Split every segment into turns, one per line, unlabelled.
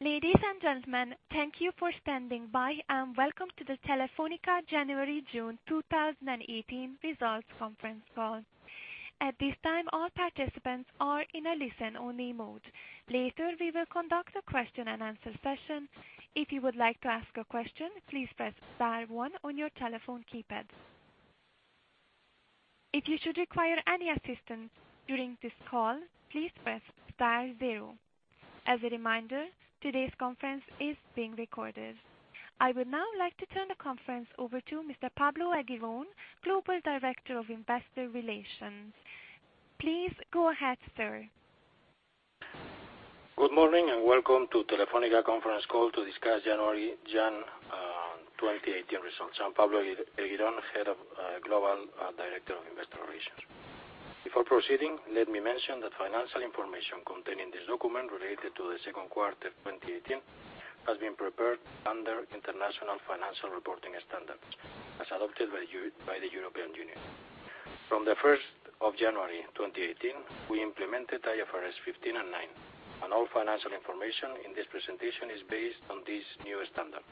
Ladies and gentlemen, thank you for standing by, and welcome to the Telefónica January-June 2018 results conference call. At this time, all participants are in a listen-only mode. Later, we will conduct a question-and-answer session. If you would like to ask a question, please press star one on your telephone keypads. If you should require any assistance during this call, please press star zero. As a reminder, today's conference is being recorded. I would now like to turn the conference over to Mr. Pablo Eguiron, Global Director of Investor Relations. Please go ahead, sir.
Good morning, and welcome to Telefónica conference call to discuss January 2018 results. I'm Pablo Eguiron, Head of Global Director of Investor Relations. Before proceeding, let me mention that financial information contained in this document related to the second quarter 2018 has been prepared under International Financial Reporting Standards as adopted by the European Union. From the 1st of January 2018, we implemented IFRS 15 and 9, and all financial information in this presentation is based on this new standard.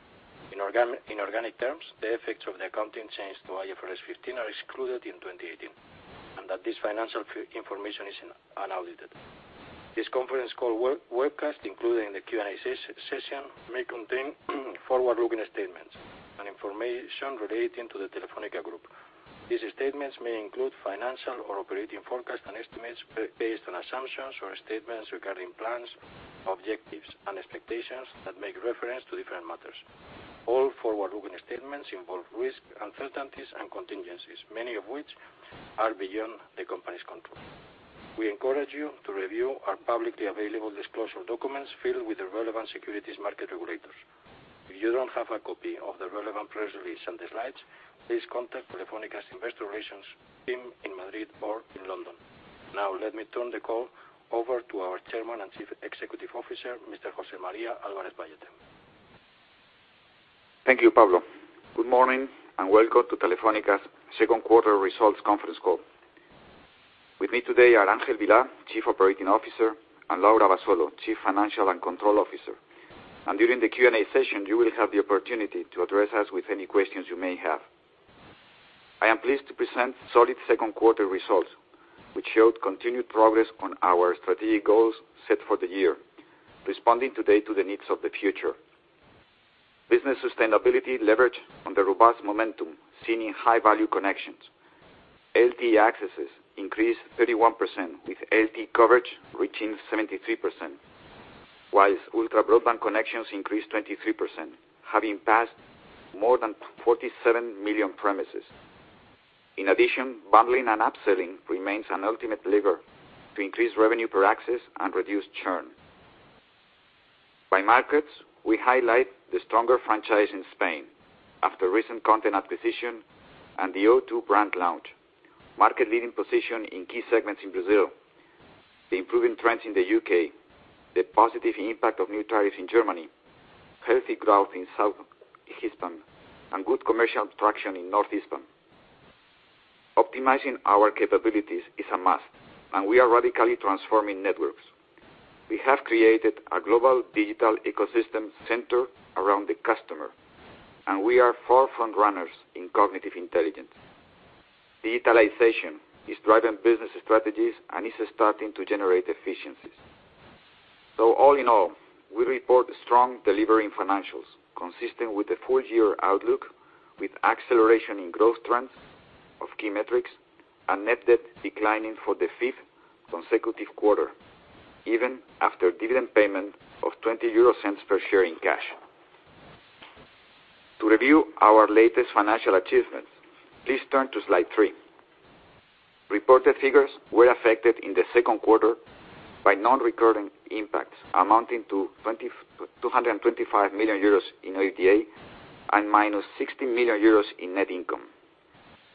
In organic terms, the effects of the accounting change to IFRS 15 are excluded in 2018, and that this financial information is unaudited. This conference call webcast, including the Q&A session, may contain forward-looking statements and information relating to the Telefónica Group. These statements may include financial or operating forecasts and estimates based on assumptions or statements regarding plans, objectives, and expectations that make reference to different matters. All forward-looking statements involve risks, uncertainties, and contingencies, many of which are beyond the company's control. We encourage you to review our publicly available disclosure documents filed with the relevant securities market regulators. If you don't have a copy of the relevant press release and the slides, please contact Telefónica's Investor Relations team in Madrid or in London. Now let me turn the call over to our Chairman and Chief Executive Officer, Mr. José María Álvarez-Pallete.
Thank you, Pablo. Good morning, and welcome to Telefónica's second quarter results conference call. With me today are Ángel Vilá, Chief Operating Officer, and Laura Abasolo, Chief Financial and Control Officer. During the Q&A session, you will have the opportunity to address us with any questions you may have. I am pleased to present solid second quarter results, which showed continued progress on our strategic goals set for the year, responding today to the needs of the future. Business sustainability leverage on the robust momentum seen in high-value connections. LTE accesses increased 31%, with LTE coverage reaching 73%, whilst ultra-broadband connections increased 23%, having passed more than 47 million premises. In addition, bundling and upselling remains an ultimate lever to increase revenue per access and reduce churn. By markets, we highlight the stronger franchise in Spain after recent content acquisition and the O2 brand launch, market-leading position in key segments in Brazil, the improving trends in the U.K., the positive impact of new tariffs in Germany, healthy growth in South Hispam, and good commercial traction in North Hispam. Optimizing our capabilities is a must, and we are radically transforming networks. We have created a global digital ecosystem centered around the customer, and we are forefront runners in cognitive intelligence. Digitalization is driving business strategies and is starting to generate efficiencies. All in all, we report strong delivering financials consistent with the full-year outlook, with acceleration in growth trends of key metrics and net debt declining for the fifth consecutive quarter, even after dividend payment of 0.20 per share in cash. To review our latest financial achievements, please turn to slide three. Reported figures were affected in the second quarter by non-recurring impacts amounting to 225 million euros in OIBDA and minus 60 million euros in net income,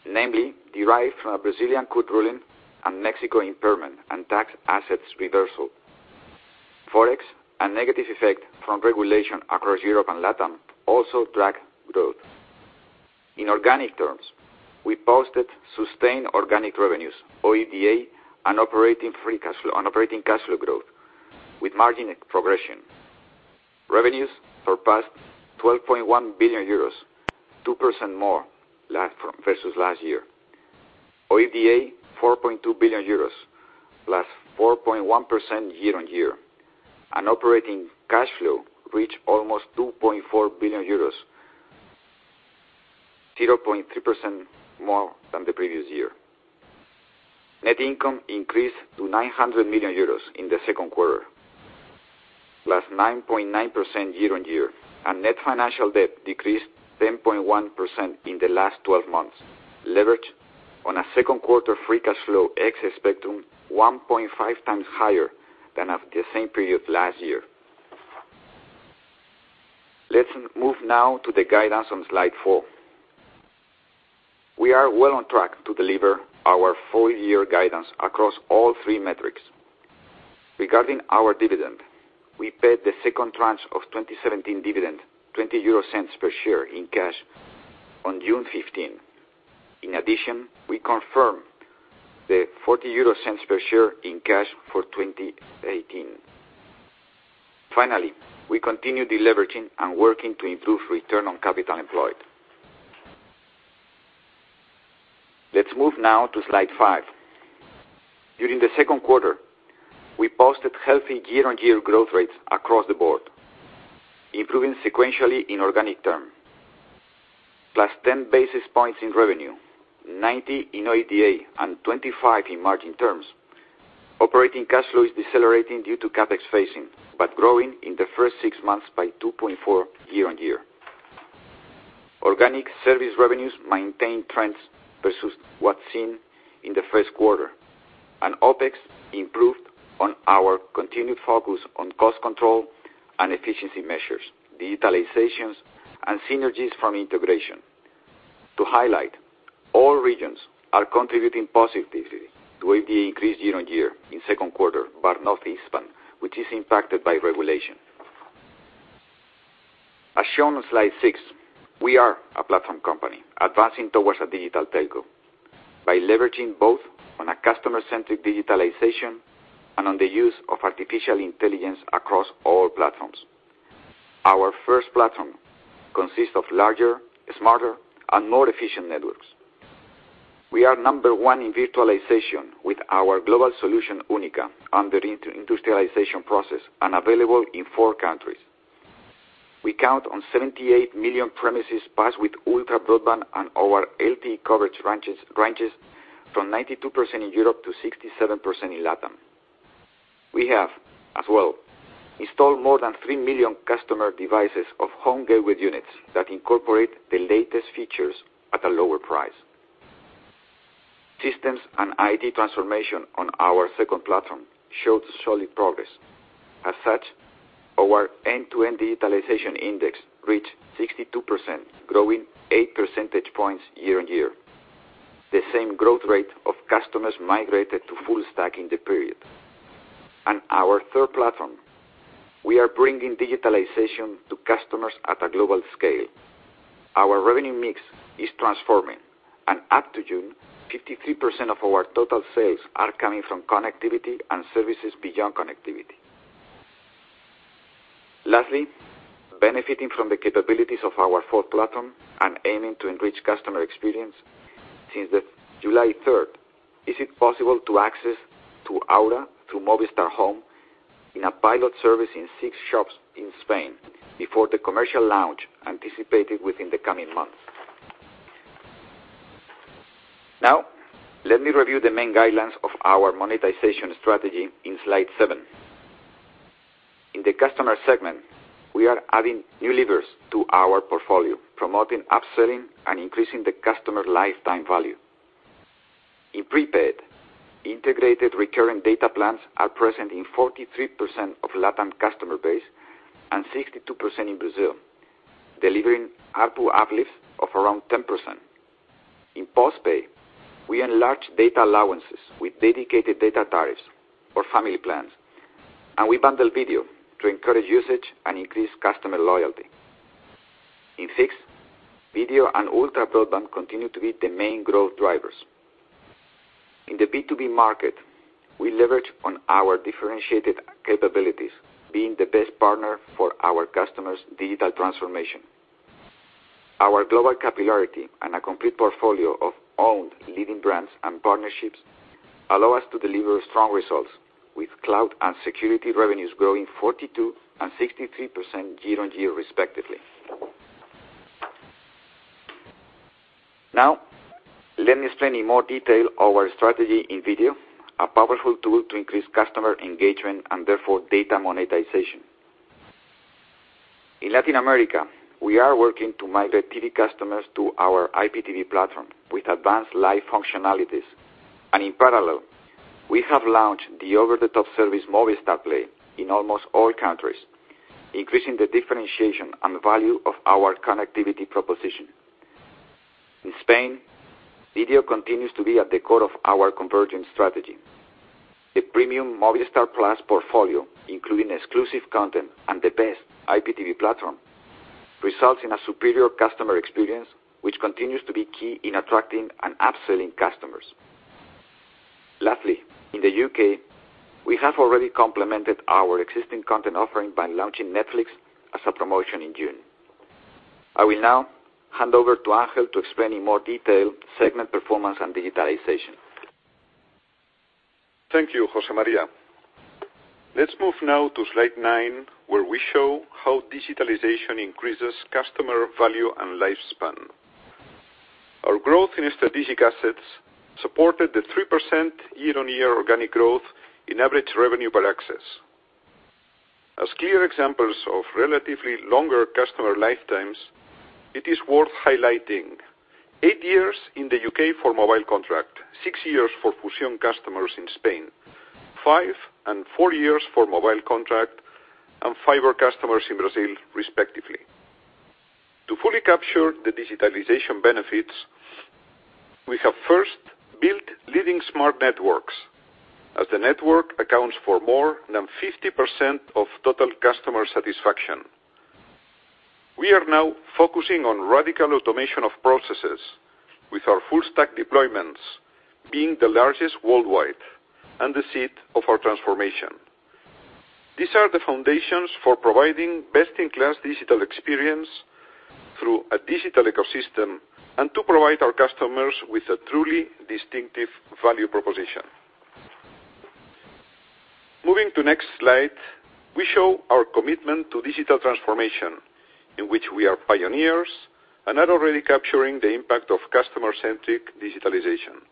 namely derived from a Brazilian court ruling and Mexico impairment and tax assets reversal. Forex and negative effect from regulation across Europe and LATAM also dragged growth. In organic terms, we posted sustained organic revenues, OIBDA, and operating free cash flow, and operating cash flow growth with margin progression. Revenues surpassed 12.1 billion euros, 2% more versus last year. OIBDA, 4.2 billion euros, plus 4.1% year-on-year. Operating cash flow reached almost 2.4 billion euros, 0.3% more than the previous year. Net income increased to 900 million euros in the second quarter, plus 9.9% year-on-year. Net financial debt decreased 10.1% in the last 12 months, leverage on a second quarter free cash flow exit spectrum 1.5 times higher than at the same period last year. Let's move now to the guidance on slide four. We are well on track to deliver our full-year guidance across all three metrics. Regarding our dividend, we paid the second tranche of 2017 dividend, 0.20 per share in cash on June 15. In addition, we confirm 0.40 per share in cash for 2018. Finally, we continue deleveraging and working to improve return on capital employed. Let's move now to slide five. During the second quarter, we posted healthy year-on-year growth rates across the board, improving sequentially in organic terms, plus 10 basis points in revenue, 90 in OIBDA, and 25 in margin terms. Operating cash flow is decelerating due to CapEx phasing, but growing in the first six months by 2.4 year-on-year. Organic service revenues maintain trends versus what's seen in the first quarter, and OpEx improved on our continued focus on cost control and efficiency measures, digitalizations, and synergies from integration. To highlight, all regions are contributing positively toward the increase year-on-year in second quarter, but not Hispam, which is impacted by regulation. As shown on slide six, we are a platform company advancing towards a digital telco by leveraging both on a customer-centric digitalization and on the use of artificial intelligence across all platforms. Our first platform consists of larger, smarter, and more efficient networks. We are number one in virtualization with our global solution, UNICA, under inter-industrialization process and available in four countries. We count on 78 million premises passed with ultra broadband and our LTE coverage ranges from 92% in Europe to 67% in LATAM. We have, as well, installed more than 3 million customer devices of home gateway units that incorporate the latest features at a lower price. Systems and IT transformation on our second platform showed solid progress. As such, our end-to-end digitalization index reached 62%, growing eight percentage points year-on-year, the same growth rate of customers migrated to full stack in the period. On our third platform, we are bringing digitalization to customers at a global scale. Our revenue mix is transforming, and up to June, 53% of our total sales are coming from connectivity and services beyond connectivity. Lastly, benefiting from the capabilities of our fourth platform and aiming to enrich customer experience, since July 3rd, is it possible to access to Aura through Movistar Home in a pilot service in six shops in Spain before the commercial launch anticipated within the coming months. Let me review the main guidelines of our monetization strategy in slide seven. In the customer segment, we are adding new levers to our portfolio, promoting upselling and increasing the customer lifetime value. In prepaid, integrated recurring data plans are present in 43% of LATAM customer base and 62% in Brazil, delivering ARPU uplifts of around 10%. In postpaid, we enlarge data allowances with dedicated data tariffs or family plans, and we bundle video to encourage usage and increase customer loyalty. In fixed, video and ultra broadband continue to be the main growth drivers. In the B2B market, we leverage on our differentiated capabilities, being the best partner for our customers' digital transformation. Our global capillarity and a complete portfolio of owned leading brands and partnerships allow us to deliver strong results with cloud and security revenues growing 42% and 63% year-on-year respectively. Let me explain in more detail our strategy in video, a powerful tool to increase customer engagement and therefore data monetization. In Latin America, we are working to migrate TV customers to our IPTV platform with advanced live functionalities. In parallel, we have launched the over-the-top service, Movistar Play, in almost all countries, increasing the differentiation and value of our connectivity proposition. In Spain, video continues to be at the core of our convergence strategy. The premium Movistar+ portfolio, including exclusive content and the best IPTV platform, results in a superior customer experience, which continues to be key in attracting and upselling customers. Lastly, in the U.K., we have already complemented our existing content offering by launching Netflix as a promotion in June. I will now hand over to Ángel to explain in more detail segment performance and digitalization.
Thank you, José María. Let's move now to slide nine, where we show how digitalization increases customer value and lifespan. Our growth in strategic assets supported the 3% year-on-year organic growth in average revenue per access. As clear examples of relatively longer customer lifetimes, it is worth highlighting eight years in the U.K. for mobile contract, six years for Fusión customers in Spain, five and four years for mobile contract and fiber customers in Brazil, respectively. To fully capture the digitalization benefits, we have first built leading smart networks, as the network accounts for more than 50% of total customer satisfaction. We are now focusing on radical automation of processes with our full stack deployments being the largest worldwide and the seat of our transformation. These are the foundations for providing best-in-class digital experience through a digital ecosystem and to provide our customers with a truly distinctive value proposition. Moving to next slide. We show our commitment to digital transformation, in which we are pioneers and are already capturing the impact of customer-centric digitalization.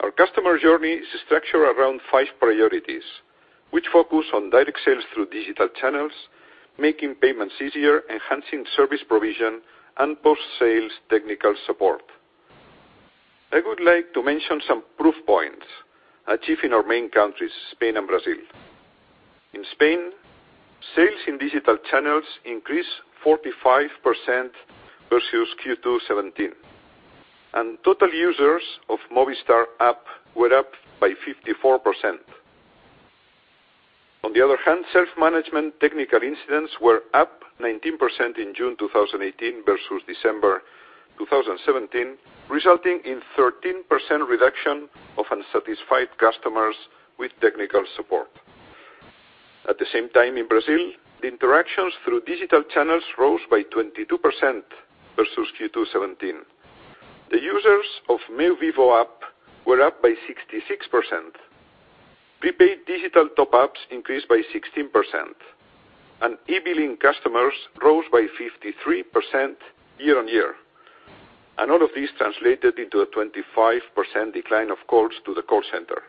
Our customer journey is structured around five priorities, which focus on direct sales through digital channels, making payments easier, enhancing service provision, and post-sales technical support. I would like to mention some proof points achieved in our main countries, Spain and Brazil. In Spain, sales in digital channels increased 45% versus Q2 2017, and total users of Movistar app were up by 54%. On the other hand, self-management technical incidents were up 19% in June 2018 versus December 2017, resulting in 13% reduction of unsatisfied customers with technical support. At the same time in Brazil, the interactions through digital channels rose by 22% versus Q2 2017. The users of Meu Vivo app were up by 66%. Prepaid digital top-ups increased by 16%, and e-billing customers rose by 53% year-on-year. All of these translated into a 25% decline of calls to the call center.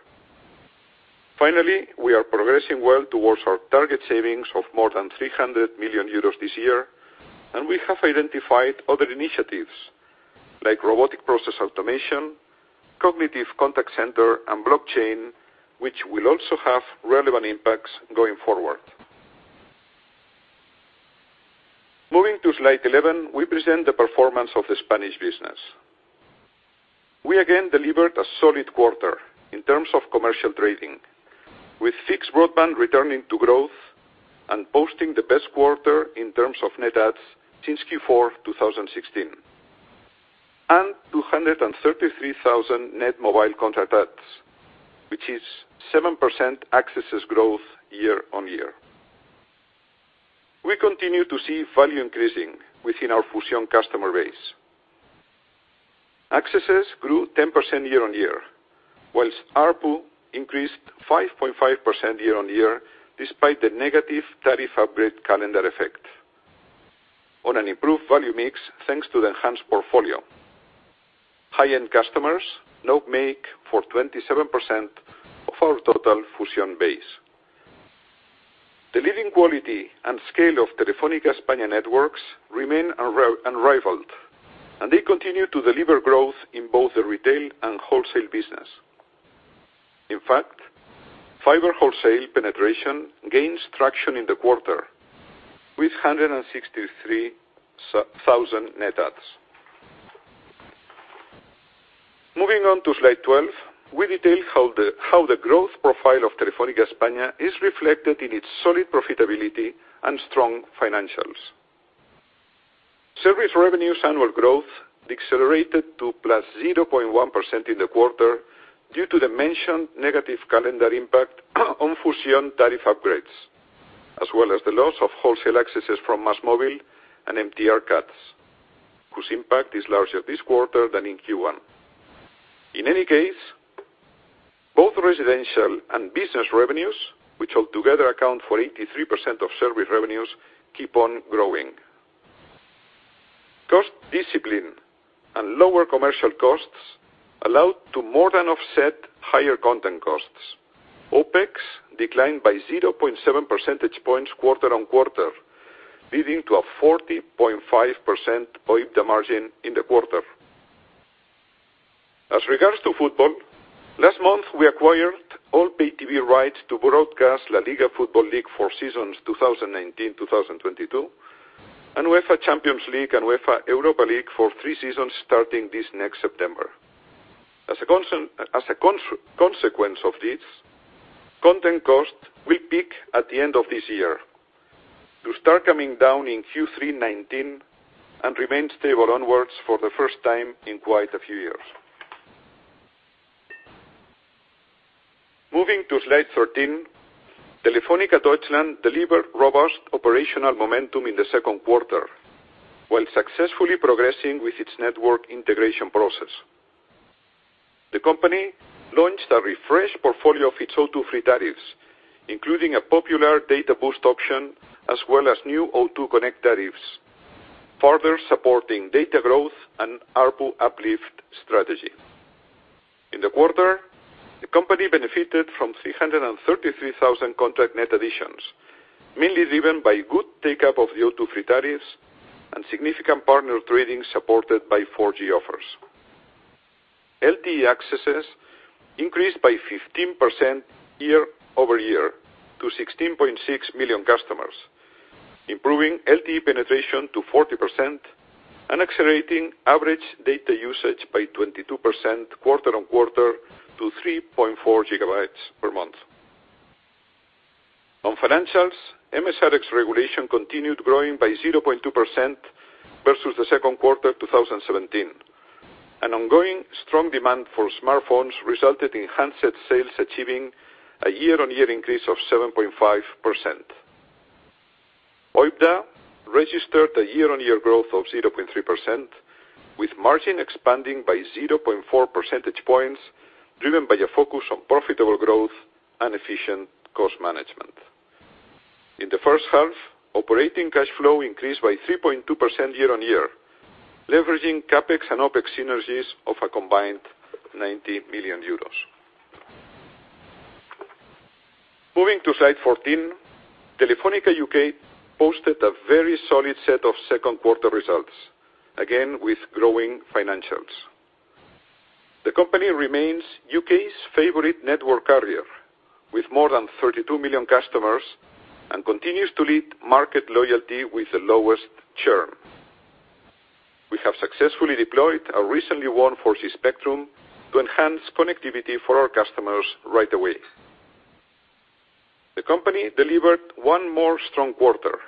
Finally, we are progressing well towards our target savings of more than 300 million euros this year, and we have identified other initiatives like robotic process automation, cognitive contact center, and blockchain, which will also have relevant impacts going forward. Moving to slide 11, we present the performance of the Spanish business. We again delivered a solid quarter in terms of commercial trading, with fixed broadband returning to growth and posting the best quarter in terms of net adds since Q4 2016. And 233,000 net mobile contract adds, which is 7% accesses growth year-on-year. We continue to see value increasing within our Fusión customer base. Accesses grew 10% year-on-year, whilst ARPU increased 5.5% year-on-year, despite the negative tariff upgrade calendar effect on an improved value mix, thanks to the enhanced portfolio. High-end customers now make for 27% of our total Fusión base. The leading quality and scale of Telefónica España networks remain unrivaled, and they continue to deliver growth in both the retail and wholesale business. In fact, fiber wholesale penetration gains traction in the quarter, with 163,000 net adds. Moving on to slide 12, we detail how the growth profile of Telefónica España is reflected in its solid profitability and strong financials. Service revenues annual growth accelerated to +0.1% in the quarter due to the mentioned negative calendar impact on Fusión tariff upgrades, as well as the loss of wholesale accesses from MásMóvil and MTR cuts, whose impact is larger this quarter than in Q1. In any case, both residential and business revenues, which altogether account for 83% of service revenues, keep on growing. Cost discipline and lower commercial costs allowed to more than offset higher content costs. OpEx declined by 0.7 percentage points quarter-over-quarter, leading to a 40.5% OIBDA margin in the quarter. As regards to football, last month, we acquired all pay TV rights to broadcast LaLiga football league for seasons 2019-2022, and UEFA Champions League and UEFA Europa League for three seasons starting this next September. As a consequence of this, content cost will peak at the end of this year to start coming down in Q3 2019 and remain stable onwards for the first time in quite a few years. Moving to Slide 13, Telefónica Deutschland delivered robust operational momentum in the second quarter, while successfully progressing with its network integration process. The company launched a refreshed portfolio of its O2 Free tariffs, including a popular data boost option, as well as new O2 Connect tariffs, further supporting data growth and ARPU uplift strategy. In the quarter, the company benefited from 333,000 contract net additions, mainly driven by good take-up of the O2 Free tariffs and significant partner trading supported by 4G offers. LTE accesses increased by 15% year-over-year to 16.6 million customers, improving LTE penetration to 40% and accelerating average data usage by 22% quarter-over-quarter to 3.4 gigabytes per month. On financials, MSR ex-regulation continued growing by 0.2% versus the second quarter 2017. An ongoing strong demand for smartphones resulted in handset sales achieving a year-on-year increase of 7.5%. OIBDA registered a year-on-year growth of 0.3%, with margin expanding by 0.4 percentage points, driven by a focus on profitable growth and efficient cost management. In the first half, operating cash flow increased by 3.2% year-on-year, leveraging CapEx and OpEx synergies of a combined 90 million euros. Moving to Slide 14, Telefónica UK posted a very solid set of second quarter results, again with growing financials. The company remains U.K.'s favorite network carrier, with more than 32 million customers and continues to lead market loyalty with the lowest churn. We have successfully deployed our recently won 4G spectrum to enhance connectivity for our customers right away. The company delivered one more strong quarter,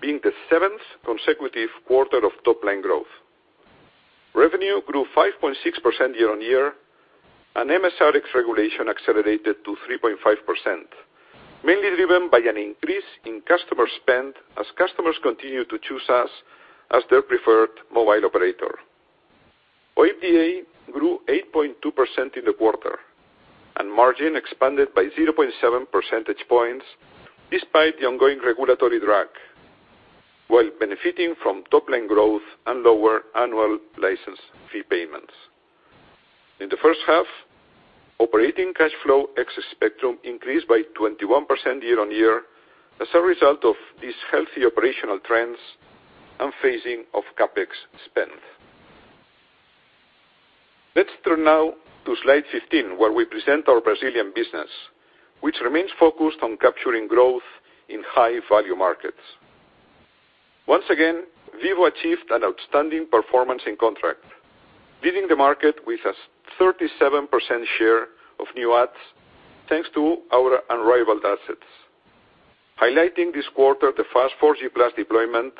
being the seventh consecutive quarter of top line growth. Revenue grew 5.6% year-on-year, and MSR ex-regulation accelerated to 3.5%, mainly driven by an increase in customer spend as customers continue to choose us as their preferred mobile operator. OIBDA grew 8.2% in the quarter, and margin expanded by 0.7 percentage points despite the ongoing regulatory drag, while benefiting from top line growth and lower annual license fee payments. In the first half, operating cash flow ex spectrum increased by 21% year-on-year as a result of these healthy operational trends and phasing of CapEx spend. Let's turn now to Slide 15, where we present our Brazilian business, which remains focused on capturing growth in high value markets. Once again, Vivo achieved an outstanding performance in contract, leading the market with a 37% share of new adds thanks to our unrivaled assets. Highlighting this quarter the fast 4G+ deployment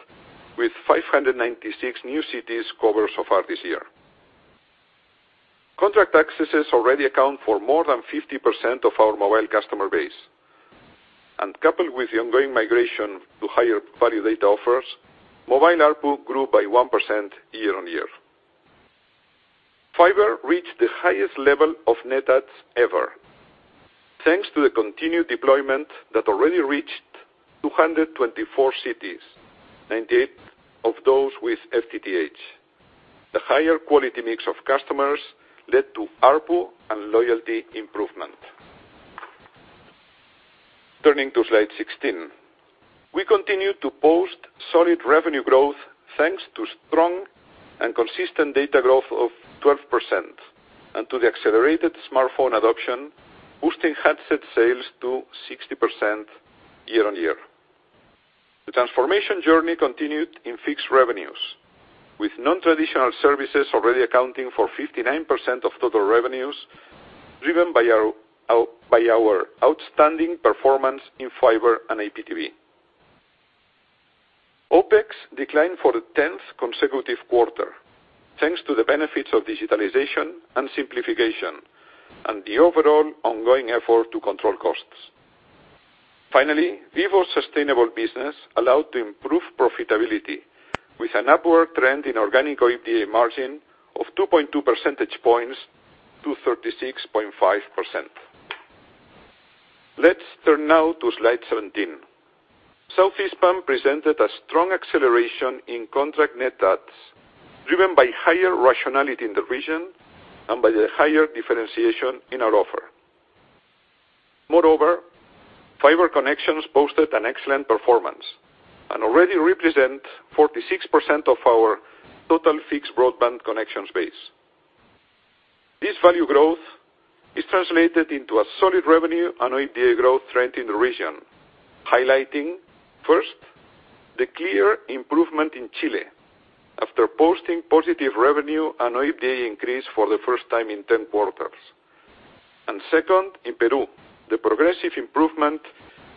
with 596 new cities covered so far this year. Contract accesses already account for more than 50% of our mobile customer base, and coupled with the ongoing migration to higher value data offers, mobile ARPU grew by 1% year-on-year. Fiber reached the highest level of net adds ever, thanks to the continued deployment that already reached 224 cities, 98 of those with FTTH. The higher quality mix of customers led to ARPU and loyalty improvement. Turning to Slide 16. We continue to post solid revenue growth thanks to strong and consistent data growth of 12% and to the accelerated smartphone adoption, boosting handset sales to 16% year-over-year. The transformation journey continued in fixed revenues, with non-traditional services already accounting for 59% of total revenues, driven by our outstanding performance in fiber and IPTV. OpEx declined for the 10th consecutive quarter, thanks to the benefits of digitalization and simplification and the overall ongoing effort to control costs. Finally, Vivo's sustainable business allowed to improve profitability with an upward trend in organic OIBDA margin of 2.2 percentage points to 36.5%. Let's turn now to Slide 17. Southeast PAN presented a strong acceleration in contract net adds, driven by higher rationality in the region and by the higher differentiation in our offer. Moreover, fiber connections posted an excellent performance and already represent 46% of our total fixed broadband connections base. This value growth is translated into a solid revenue and OIBDA growth trend in the region, highlighting, first, the clear improvement in Chile after posting positive revenue and OIBDA increase for the first time in 10 quarters. Second, in Peru, the progressive improvement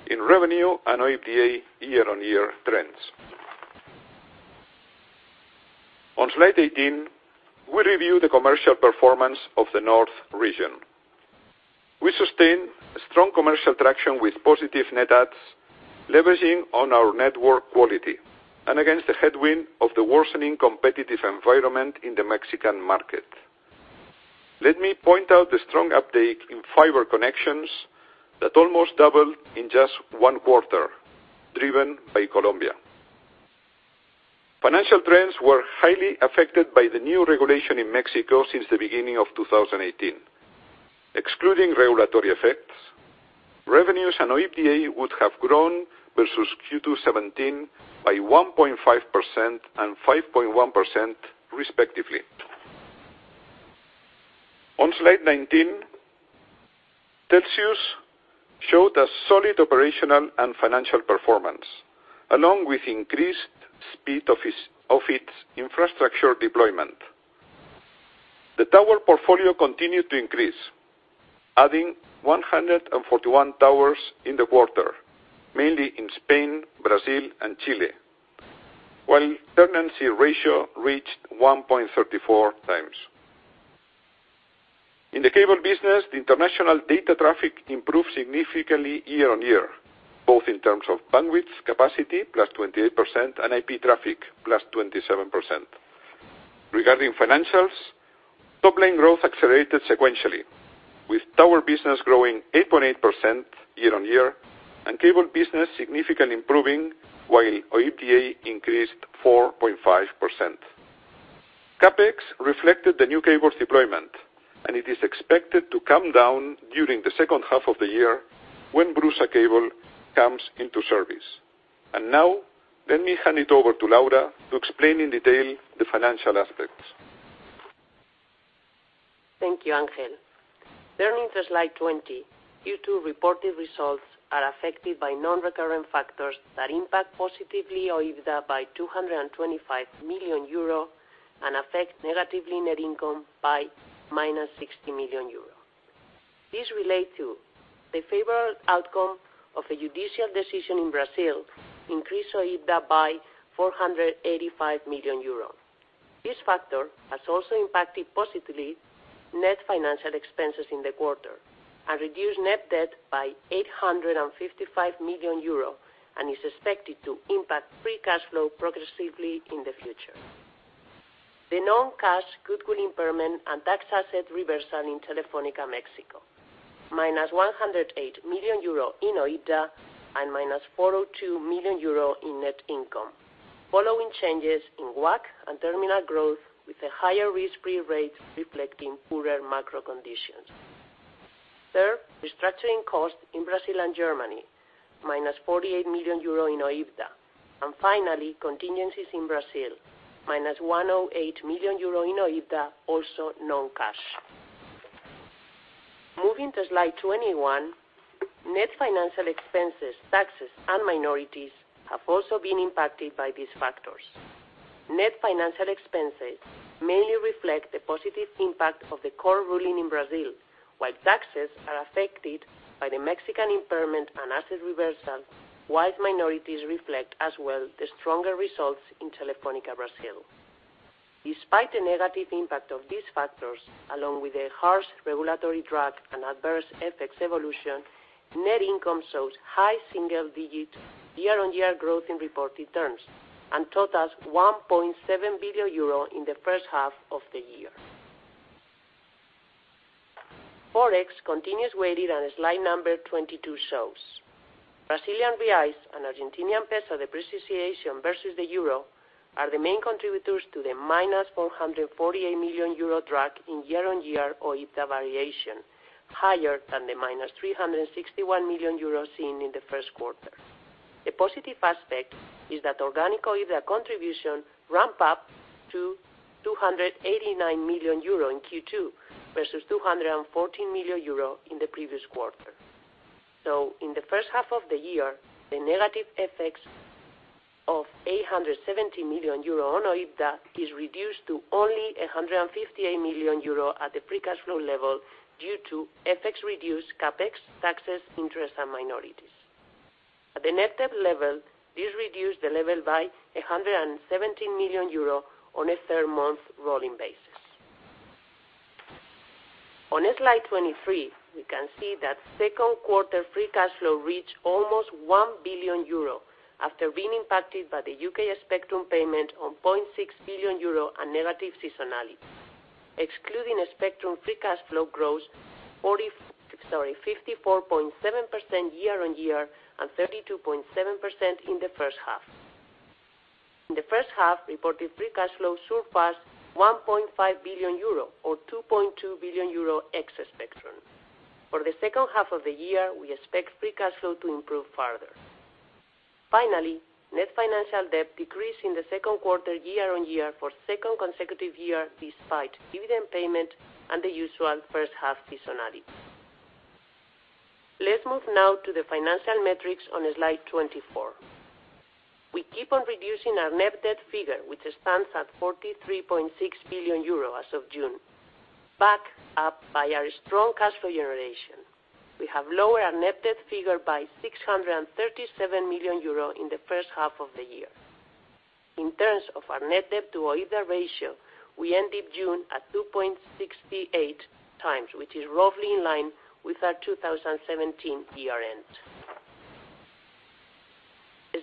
in revenue and OIBDA year-over-year trends. On Slide 18, we review the commercial performance of the North region. We sustain strong commercial traction with positive net adds, leveraging on our network quality and against the headwind of the worsening competitive environment in the Mexican market. Let me point out the strong uptake in fiber connections that almost doubled in just one quarter, driven by Colombia. Financial trends were highly affected by the new regulation in Mexico since the beginning of 2018. Excluding regulatory effects, revenues and OIBDA would have grown versus Q2 2017 by 1.5% and 5.1% respectively. On Slide 19, Telxius showed a solid operational and financial performance, along with increased speed of its infrastructure deployment. The tower portfolio continued to increase, adding 141 towers in the quarter, mainly in Spain, Brazil, and Chile. While tenancy ratio reached 1.34 times. In the cable business, the international data traffic improved significantly year-over-year, both in terms of bandwidth capacity, plus 28%, and IP traffic, plus 27%. Regarding financials, top-line growth accelerated sequentially, with tower business growing 8.8% year-over-year and cable business significantly improving, while OIBDA increased 4.5%. CapEx reflected the new cable deployment, and it is expected to come down during the second half of the year when BRUSA comes into service. Now, let me hand it over to Laura to explain in detail the financial aspects.
Thank you, Ángel. Turning to slide 20, Q2 reported results are affected by non-recurrent factors that impact positively OIBDA by 225 million euro and affect negatively net income by minus 60 million euro. These relate to the favorable outcome of a judicial decision in Brazil, increased OIBDA by 485 million euros. This factor has also impacted positively net financial expenses in the quarter and reduced net debt by 855 million euro and is expected to impact free cash flow progressively in the future. The non-cash goodwill impairment and tax asset reversal in Telefónica Mexico, minus 108 million euro in OIBDA and minus 402 million euro in net income. Following changes in WACC and terminal growth with a higher risk-free rate reflecting poorer macro conditions. Third, restructuring costs in Brazil and Germany, minus 48 million euro in OIBDA. Finally, contingencies in Brazil, minus 108 million euro in OIBDA, also non-cash. Moving to slide 21, net financial expenses, taxes, and minorities have also been impacted by these factors. Net financial expenses mainly reflect the positive impact of the core ruling in Brazil, while taxes are affected by the Mexican impairment and asset reversal, while minorities reflect as well the stronger results in Telefónica Brazil. Despite the negative impact of these factors, along with a harsh regulatory drag and adverse FX evolution, net income shows high single digits year-on-year growth in reported terms and totals 1.7 billion euro in the first half of the year. Forex continues weighted and slide number 22 shows. Brazilian reais and Argentinian peso depreciation versus the euro are the main contributors to the minus 448 million euro drag in year-on-year OIBDA variation, higher than the minus 361 million euro seen in the first quarter. The positive aspect is that organic OIBDA contribution ramp up to 289 million euro in Q2, versus 214 million euro in the previous quarter. In the first half of the year, the negative FX of 870 million euro on OIBDA is reduced to only 158 million euro at the free cash flow level due to FX reduce CapEx, taxes, interest, and minorities. At the net debt level, this reduced the level by 117 million euro on a third-month rolling basis. On slide 23, we can see that second quarter free cash flow reached almost 1 billion euro after being impacted by the U.K. spectrum payment on 0.6 billion euro and negative seasonality. Excluding spectrum free cash flow growth, 54.7% year-on-year and 32.7% in the first half. In the first half, reported free cash flow surpassed 1.5 billion euro or 2.2 billion euro ex spectrum. For the second half of the year, we expect free cash flow to improve further. Finally, net financial debt decreased in the second quarter year-on-year for a second consecutive year despite dividend payment and the usual first half seasonality. Let's move now to the financial metrics on slide 24. We keep on reducing our net debt figure, which stands at 43.6 billion euro as of June, backed up by our strong cash flow generation. We have lowered our net debt figure by 637 million euro in the first half of the year. In terms of our net debt to OIBDA ratio, we ended June at 2.68 times, which is roughly in line with our 2017 year-end.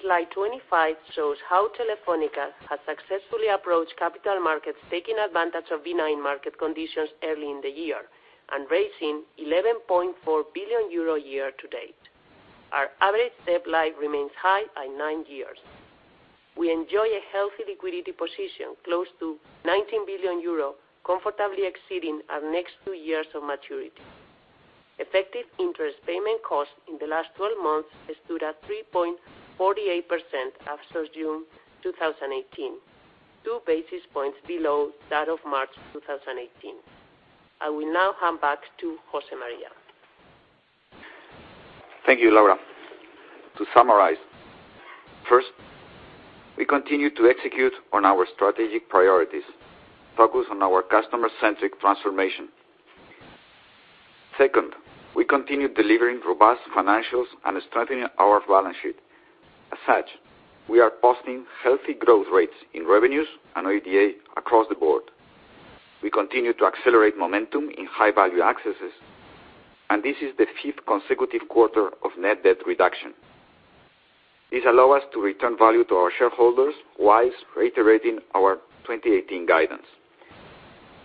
Slide 25 shows how Telefónica has successfully approached capital markets taking advantage of benign market conditions early in the year and raising 11.4 billion euro year-to-date. Our average debt life remains high at nine years. We enjoy a healthy liquidity position, close to 19 billion euro, comfortably exceeding our next two years of maturity. Effective interest payment cost in the last 12 months stood at 3.48% as of June 2018, two basis points below that of March 2018. I will now hand back to José María.
Thank you, Laura. To summarize. We continue to execute on our strategic priorities, focused on our customer-centric transformation. Second, we continue delivering robust financials and strengthening our balance sheet. As such, we are posting healthy growth rates in revenues and OIBDA across the board. We continue to accelerate momentum in high-value accesses, and this is the fifth consecutive quarter of net debt reduction. This allow us to return value to our shareholders whilst reiterating our 2018 guidance.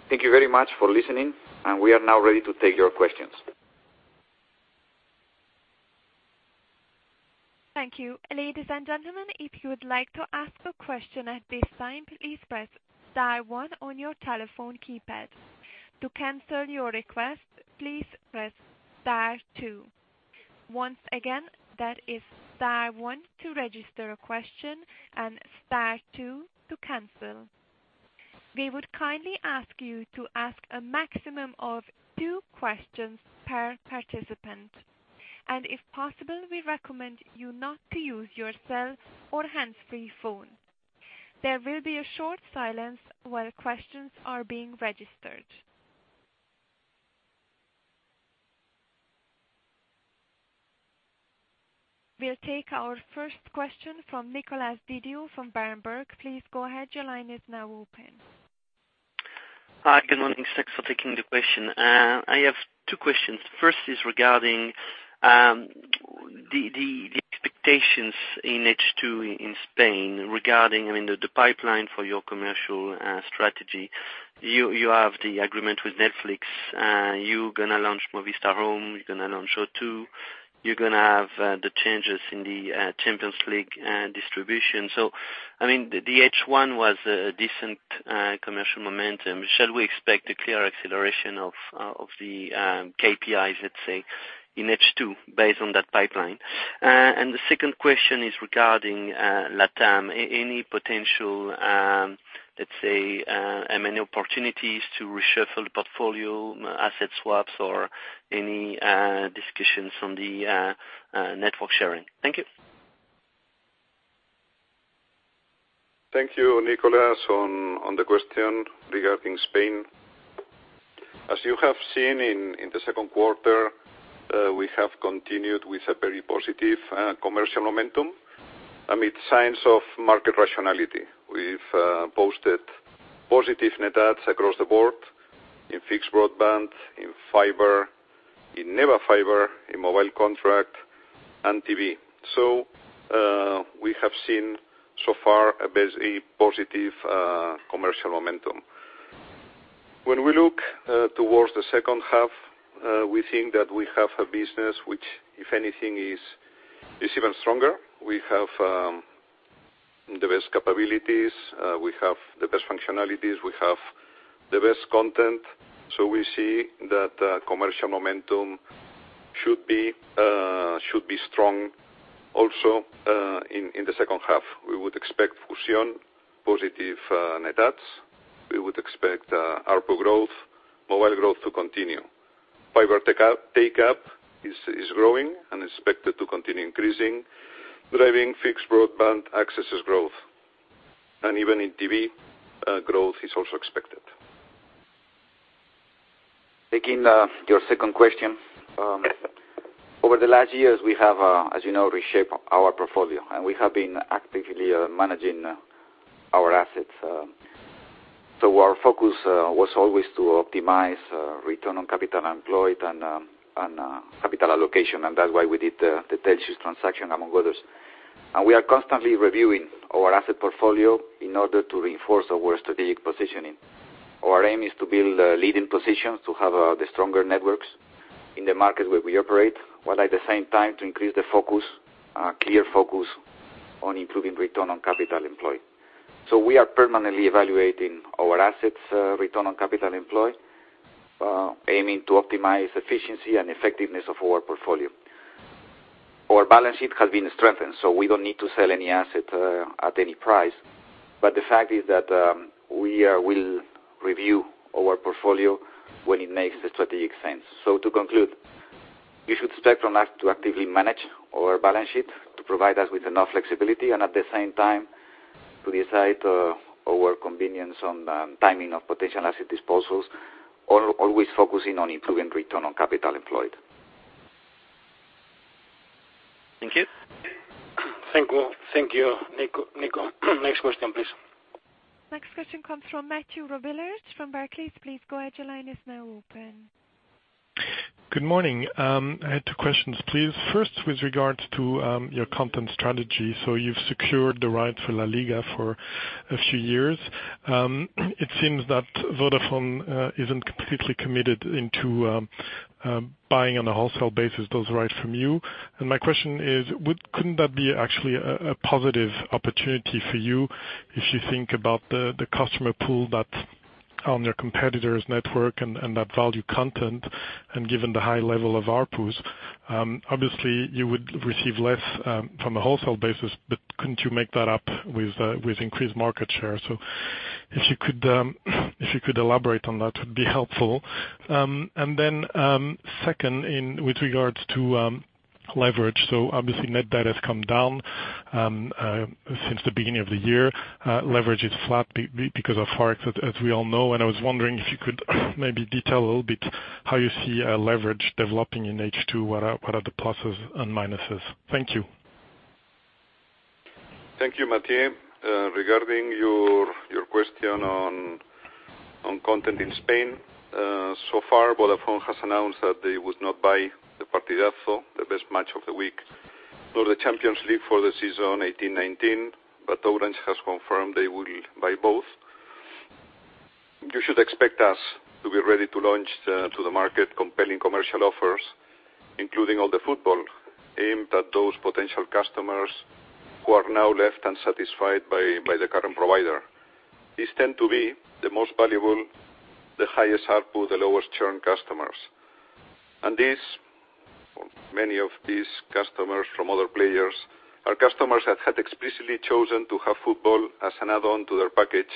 Thank you very much for listening, and we are now ready to take your questions.
Thank you. Ladies and gentlemen, if you would like to ask a question at this time, please press star one on your telephone keypad. To cancel your request, please press star two. Once again, that is star one to register a question, and star two to cancel. We would kindly ask you to ask a maximum of two questions per participant. If possible, we recommend you not to use your cell or hands-free phone. There will be a short silence while questions are being registered. We'll take our first question from Nicholas Lyall from Berenberg. Please go ahead. Your line is now open.
Hi, good morning. Thanks for taking the question. I have two questions. First is regarding the expectations in H2 in Spain regarding the pipeline for your commercial strategy. You have the agreement with Netflix. You going to launch Movistar Home, you're going to launch O2. You're going to have the changes in the Champions League distribution. So, the H1 was a decent commercial momentum. Shall we expect a clear acceleration of the KPIs, let's say, in H2 based on that pipeline? The second question is regarding LATAM. Any potential, let's say, M&A opportunities to reshuffle the portfolio, asset swaps or any discussions on the network sharing? Thank you.
Thank you, Nicholas, on the question regarding Spain. As you have seen in the second quarter, we have continued with a very positive commercial momentum amid signs of market rationality. We've posted positive net adds across the board in fixed broadband, in fiber, in NEBA fiber, in mobile contract, and TV. We have seen so far a positive commercial momentum. When we look towards the second half, we think that we have a business, which, if anything, is even stronger. We have the best capabilities. We have the best functionalities. We have the best content. We see that commercial momentum should be strong also in the second half. We would expect Fusión positive net adds. We would expect ARPU growth, mobile growth to continue. Fiber take-up is growing and is expected to continue increasing, driving fixed broadband accesses growth. Even in TV, growth is also expected.
Taking your second question. Over the last years, we have, as you know, reshaped our portfolio, and we have been actively managing our assets. Our focus was always to optimize return on capital employed and capital allocation, and that's why we did the Telxius transaction, among others. We are constantly reviewing our asset portfolio in order to reinforce our strategic positioning. Our aim is to build leading positions to have the stronger networks in the market where we operate, while at the same time to increase the focus, clear focus, on improving return on capital employed. We are permanently evaluating our assets' return on capital employed, aiming to optimize efficiency and effectiveness of our portfolio. Our balance sheet has been strengthened, we don't need to sell any asset at any price. The fact is that we will review our portfolio when it makes strategic sense. To conclude, you should expect from us to actively manage our balance sheet to provide us with enough flexibility and at the same time to decide our convenience on timing of potential asset disposals, always focusing on improving return on capital employed.
Thank you.
Thank you, Nico. Next question, please.
Next question comes from Mathieu Robilliard from Barclays. Please go ahead. Your line is now open.
Good morning. I had two questions, please. First, with regards to your content strategy. You've secured the right for La Liga for a few years. It seems that Vodafone isn't completely committed into buying on a wholesale basis those rights from you. My question is: couldn't that be actually a positive opportunity for you if you think about the customer pool that's on your competitor's network and that value content, and given the high level of ARPUs? Obviously, you would receive less from a wholesale basis, but couldn't you make that up with increased market share? If you could elaborate on that, it would be helpful. Second, with regards to leverage. Obviously net debt has come down since the beginning of the year. Leverage is flat because of Forex, as we all know. I was wondering if you could maybe detail a little bit how you see leverage developing in H2, what are the pluses and minuses? Thank you.
Thank you, Mathieu. Regarding your question on content in Spain. Far, Vodafone has announced that they would not buy El Partidazo, the best match of the week, nor the UEFA Champions League for the season 2018, 2019, Orange has confirmed they will buy both. You should expect us to be ready to launch to the market compelling commercial offers, including all the football aimed at those potential customers who are now left unsatisfied by the current provider. These tend to be the most valuable, the highest ARPU, the lowest churn customers. Many of these customers from other players are customers that had explicitly chosen to have football as an add-on to their package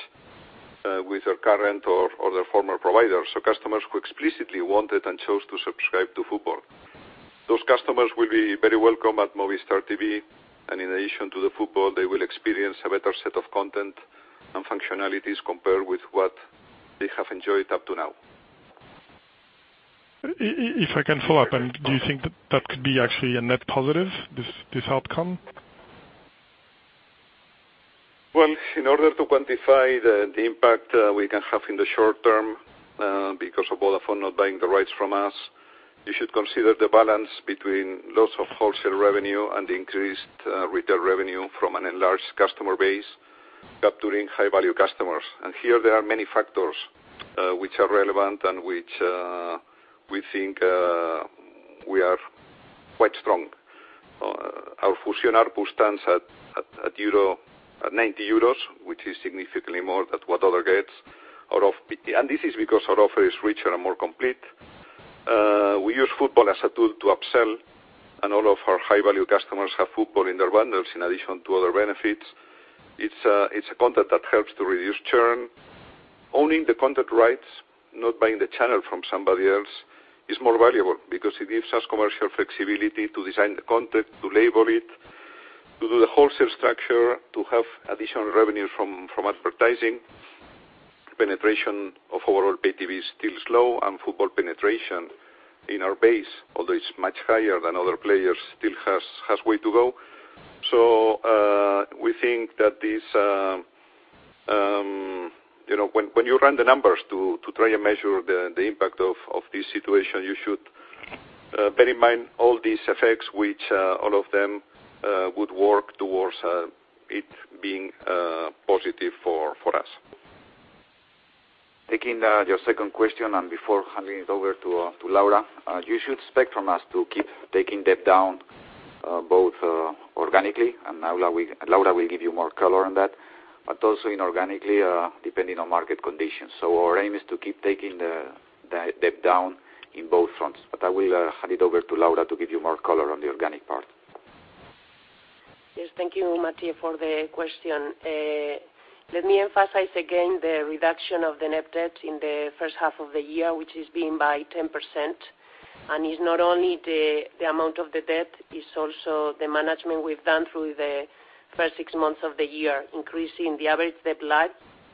with their current or their former provider. Customers who explicitly wanted and chose to subscribe to football. Those customers will be very welcome at Movistar TV, in addition to the football, they will experience a better set of content and functionalities compared with what they have enjoyed up to now.
If I can follow up, do you think that could be actually a net positive, this outcome?
Well, in order to quantify the impact we can have in the short term because of Vodafone not buying the rights from us, you should consider the balance between loss of wholesale revenue and increased retail revenue from an enlarged customer base capturing high-value customers. Here there are many factors which are relevant and which we think we are quite strong. Our Fusión ARPU stands at 90 euros, which is significantly more than what other gets. This is because our offer is richer and more complete. We use football as a tool to upsell, all of our high-value customers have football in their bundles, in addition to other benefits. It's a content that helps to reduce churn. Owning the content rights, not buying the channel from somebody else is more valuable because it gives us commercial flexibility to design the content, to label it, to do the wholesale structure, to have additional revenue from advertising. Penetration of overall Pay TV is still slow, and football penetration in our base, although it's much higher than other players, still has way to go. We think that when you run the numbers to try and measure the impact of this situation, you should bear in mind all these effects, which all of them would work towards it being positive for us. Taking your second question and before handing it over to Laura, you should expect from us to keep taking debt down both organically, and Laura will give you more color on that, also inorganically, depending on market conditions. Our aim is to keep taking the debt down in both fronts. I will hand it over to Laura to give you more color on the organic part.
Yes. Thank you, Mathieu, for the question. Let me emphasize again the reduction of the net debt in the first half of the year, which is being by 10%. It's not only the amount of the debt, it's also the management we've done through the first six months of the year, increasing the average debt life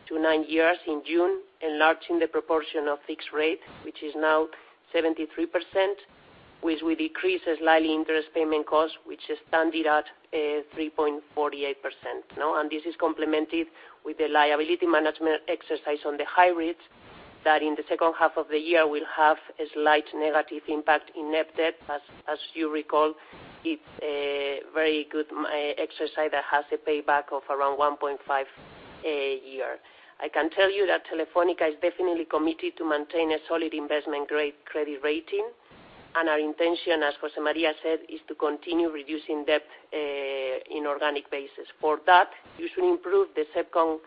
to nine years in June, enlarging the proportion of fixed rate, which is now 73%, which will decrease slightly interest payment cost, which is standing at 3.48%. This is complemented with the liability management exercise on the high rates that in the second half of the year will have a slight negative impact in net debt. As you recall, it's a very good exercise that has a payback of around 1.5 a year. I can tell you that Telefónica is definitely committed to maintain a solid investment-grade credit rating. Our intention, as José María said, is to continue reducing debt in organic basis. For that, you should improve the second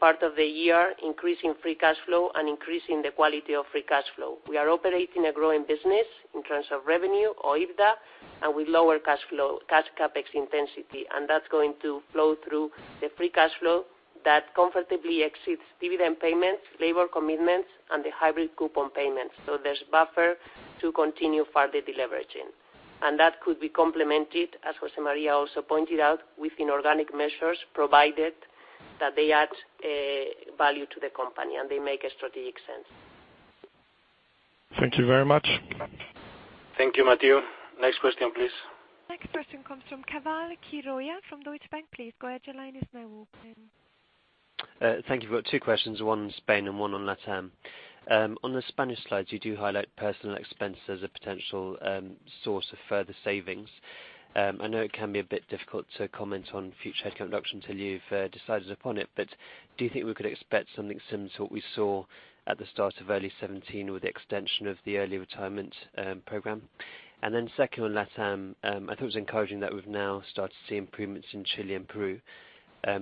part of the year, increasing free cash flow and increasing the quality of free cash flow. We are operating a growing business in terms of revenue or EBITDA, and with lower cash CapEx intensity, and that's going to flow through the free cash flow that comfortably exceeds dividend payments, labor commitments, and the hybrid coupon payments. There's buffer to continue further deleveraging. That could be complemented, as José María also pointed out, within organic measures, provided that they add value to the company and they make a strategic sense.
Thank you very much.
Thank you, Mathieu. Next question, please.
Next question comes from Keval from Deutsche Bank. Please go ahead, your line is now open.
Thank you. I've got two questions, one on Spain and one on LATAM. On the Spanish slides, you do highlight personal expenses as a potential source of further savings. I know it can be a bit difficult to comment on future headcount reduction till you've decided upon it, but do you think we could expect something similar to what we saw at the start of early 2017 with the extension of the early retirement program? Second on LATAM, I thought it was encouraging that we've now started to see improvements in Chile and Peru.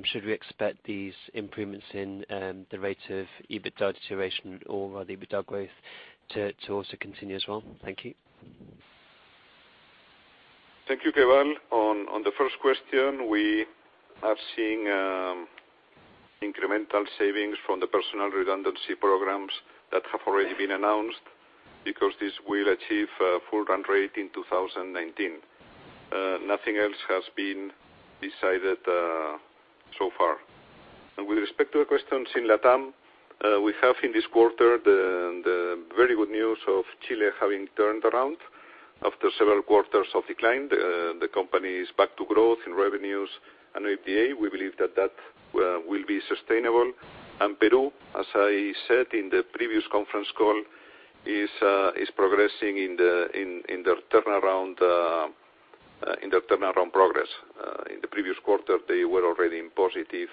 Should we expect these improvements in the rate of EBITDA deterioration or rather EBITDA growth to also continue as well? Thank you.
Thank you, Keval. On the first question, we are seeing incremental savings from the personnel redundancy programs that have already been announced, because this will achieve full run rate in 2019. Nothing else has been decided so far. With respect to your questions in LATAM, we have in this quarter the very good news of Chile having turned around after several quarters of decline. The company is back to growth in revenues and OIBDA. We believe that will be sustainable. Peru, as I said in the previous conference call, is progressing in their turnaround progress. In the previous quarter, they were already in positive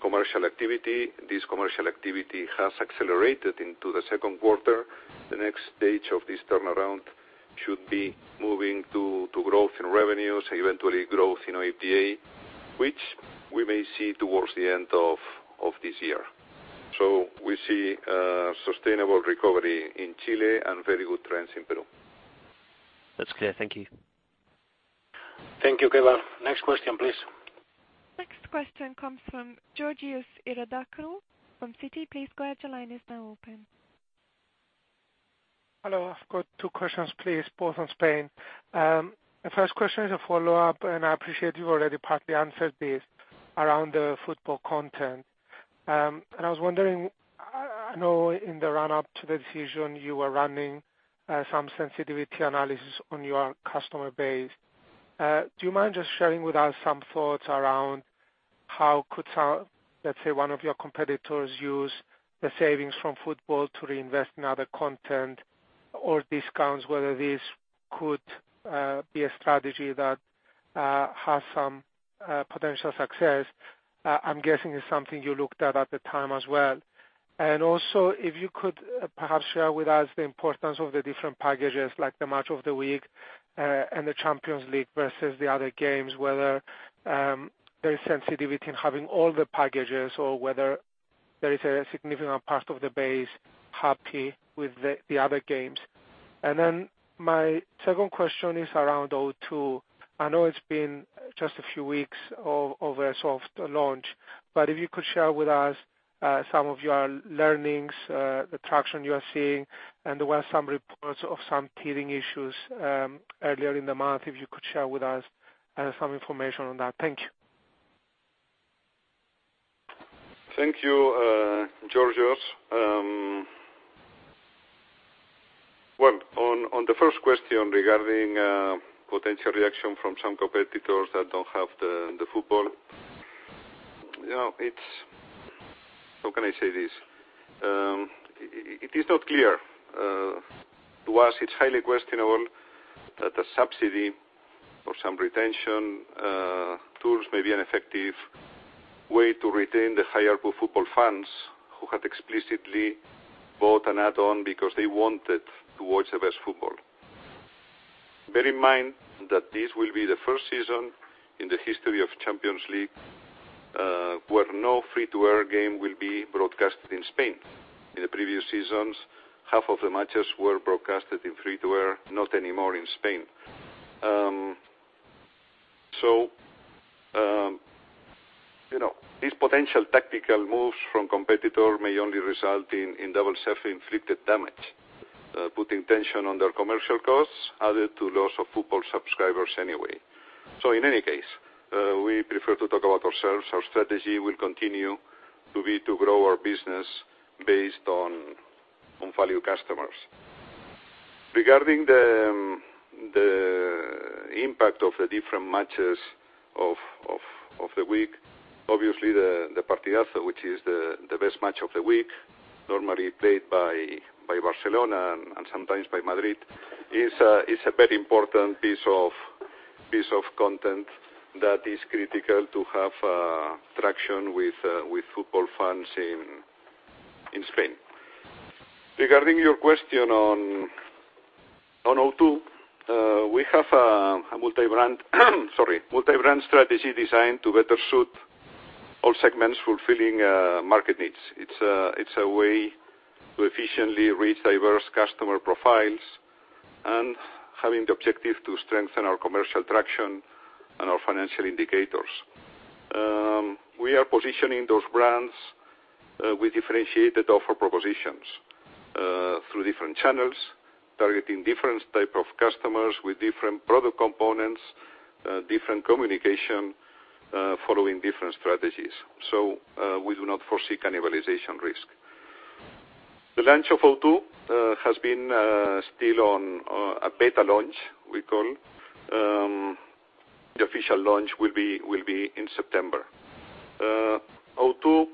commercial activity. This commercial activity has accelerated into the second quarter. The next stage of this turnaround should be moving to growth in revenues, eventually growth in OIBDA, which we may see towards the end of this year. We see a sustainable recovery in Chile and very good trends in Peru.
That's clear. Thank you.
Thank you, Keval. Next question, please.
Next question comes from Georgios Ierodiaconou from Citi. Please go ahead. Your line is now open.
Hello. I've got two questions, please. Both on Spain. The first question is a follow-up. I appreciate you've already partly answered this around the football content. I was wondering, I know in the run-up to the decision you were running some sensitivity analysis on your customer base. Do you mind just sharing with us some thoughts around how could, let's say, one of your competitors use the savings from football to reinvest in other content or discounts, whether this could be a strategy that has some potential success? I'm guessing it's something you looked at at the time as well. Also, if you could perhaps share with us the importance of the different packages, like the Match of the Week, and the Champions League versus the other games, whether there is sensitivity in having all the packages or whether there is a significant part of the base happy with the other games. Then my second question is around O2. I know it's been just a few weeks of a soft launch, but if you could share with us some of your learnings, the traction you are seeing, and there were some reports of some teething issues earlier in the month. If you could share with us some information on that. Thank you.
Thank you, Georgios. Well, on the first question regarding potential reaction from some competitors that don't have the football. How can I say this? It is not clear. To us, it's highly questionable that a subsidy or some retention tools may be an effective way to retain the higher football fans who had explicitly bought an add-on because they wanted to watch the best football. Bear in mind that this will be the first season in the history of Champions League, where no free-to-air game will be broadcast in Spain. In the previous seasons, half of the matches were broadcasted in free-to-air, not anymore in Spain. These potential tactical moves from competitor may only result in double self-inflicted damage, putting tension on their commercial costs, added to loss of football subscribers anyway. In any case, we prefer to talk about ourselves. Our strategy will continue to be to grow our business based on value customers. Regarding the impact of the different matches of the week, obviously the Partidazo, which is the best match of the week, normally played by Barcelona and sometimes by Madrid, is a very important piece of content that is critical to have traction with football fans in Spain. Regarding your question on O2, we have a multi-brand strategy designed to better suit all segments fulfilling market needs. It's a way to efficiently reach diverse customer profiles and having the objective to strengthen our commercial traction and our financial indicators. We are positioning those brands with differentiated offer propositions through different channels, targeting different type of customers with different product components, different communication, following different strategies. We do not foresee cannibalization risk. The launch of O2 has been still on a beta launch, we call. The official launch will be in September. O2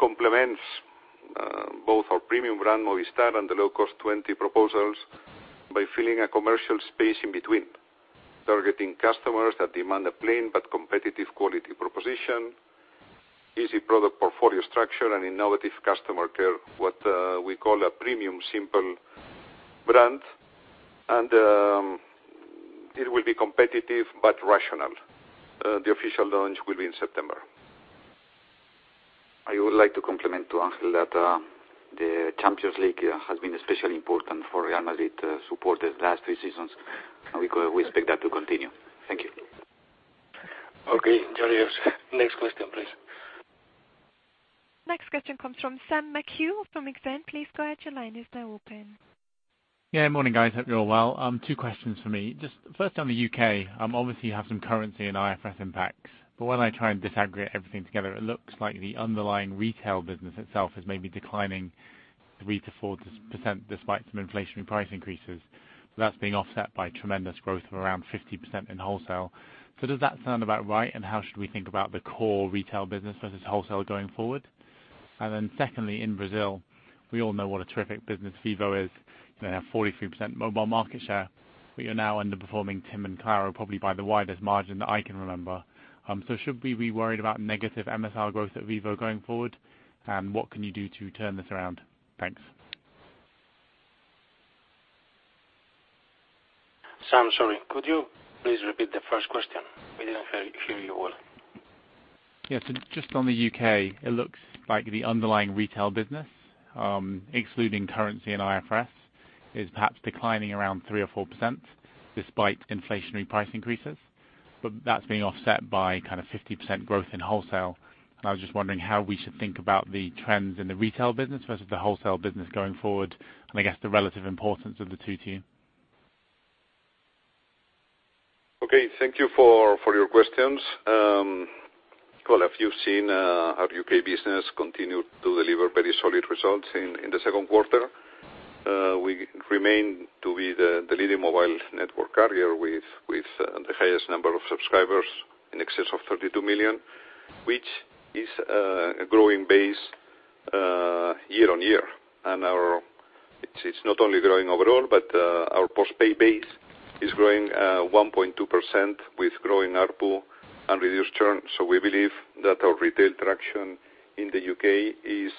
complements both our premium brand, Movistar, and the low cost Tuenti proposals by filling a commercial space in between. Targeting customers that demand a plain but competitive quality proposition, easy product portfolio structure, and innovative customer care, what we call a premium simple brand, and it will be competitive but rational. The official launch will be in September.
I would like to compliment to Ángel that the Champions League has been especially important for Real Madrid supporters the last three seasons. We expect that to continue. Thank you.
Okay, Georgois. Next question, please.
Next question comes from Sam McHugh from Exane. Please go ahead, your line is now open.
Yeah, morning, guys. Hope you're all well. Two questions for me. Just first on the U.K., obviously, you have some currency and IFRS impacts, but when I try and disaggregate everything together, it looks like the underlying retail business itself is maybe declining 3%-4% despite some inflationary price increases. That's being offset by tremendous growth of around 50% in wholesale. Does that sound about right? How should we think about the core retail business versus wholesale going forward? Secondly, in Brazil, we all know what a terrific business Vivo is. They have 43% mobile market share, but you're now underperforming TIM and Claro probably by the widest margin that I can remember. Should we be worried about negative MSR growth at Vivo going forward? What can you do to turn this around? Thanks.
Sam, sorry. Could you please repeat the first question? We didn't hear you well.
Yeah. Just on the U.K., it looks like the underlying retail business, excluding currency and IFRS, is perhaps declining around 3% or 4%, despite inflationary price increases. That's being offset by 50% growth in wholesale. I was just wondering how we should think about the trends in the retail business versus the wholesale business going forward, and I guess the relative importance of the two to you.
Thank you for your questions. As you've seen, our U.K. business continued to deliver very solid results in the second quarter. We remain to be the leading mobile network carrier with the highest number of subscribers, in excess of 32 million, which is a growing base year-on-year. It's not only growing overall, but our post-pay base is growing 1.2% with growing ARPU and reduced churn. We believe that our retail traction in the U.K. is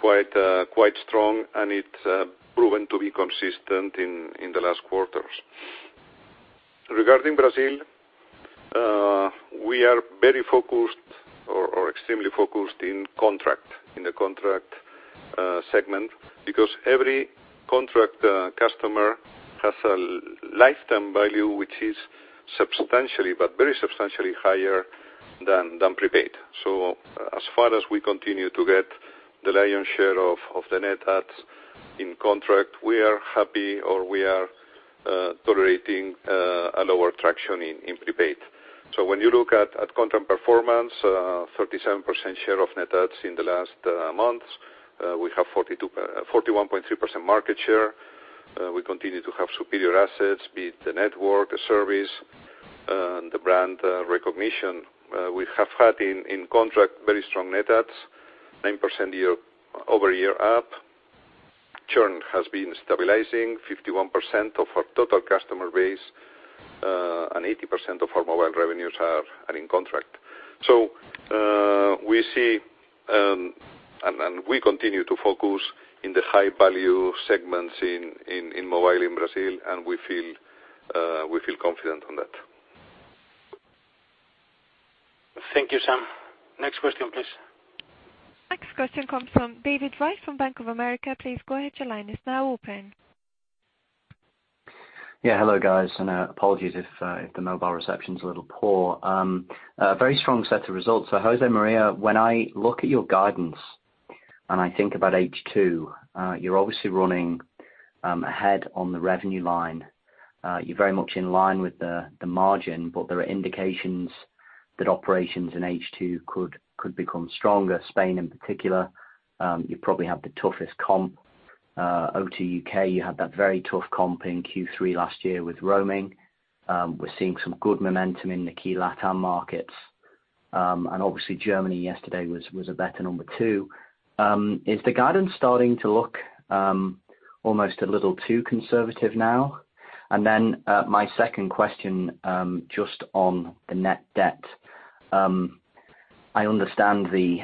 quite strong, and it's proven to be consistent in the last quarters. Regarding Brazil, we are very focused or extremely focused in contract, in the contract segment, because every contract customer has a lifetime value, which is substantially, but very substantially higher than prepaid. As far as we continue to get the lion's share of the net adds in contract, we are happy or we are tolerating a lower traction in prepaid. When you look at contract performance, 37% share of net adds in the last month. We have 41.3% market share. We continue to have superior assets, be it the network, the service, the brand recognition. We have had in contract very strong net adds, 9% year-over-year up. Churn has been stabilizing, 51% of our total customer base, and 80% of our mobile revenues are in contract. We see, and we continue to focus in the high-value segments in mobile in Brazil, and we feel confident on that.
Thank you, Sam. Next question, please.
Next question comes from David Wright from Bank of America. Please go ahead, your line is now open.
Hello, guys. Apologies if the mobile reception's a little poor. A very strong set of results. José María, when I look at your guidance and I think about H2, you're obviously running ahead on the revenue line. You're very much in line with the margin, there are indications that operations in H2 could become stronger, Spain in particular. You probably have the toughest comp. O2 UK, you had that very tough comp in Q3 last year with roaming. We're seeing some good momentum in the key LATAM markets. Obviously Germany yesterday was a better number too. Is the guidance starting to look almost a little too conservative now? My second question, just on the net debt. I understand the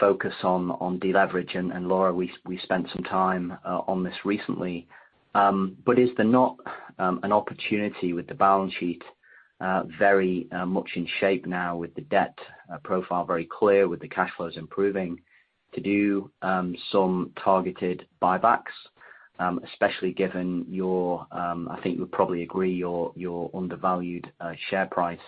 focus on deleverage, Laura, we spent some time on this recently. Is there not an opportunity with the balance sheet very much in shape now with the debt profile very clear, with the cash flows improving to do some targeted buybacks, especially given your, I think you'll probably agree, your undervalued share price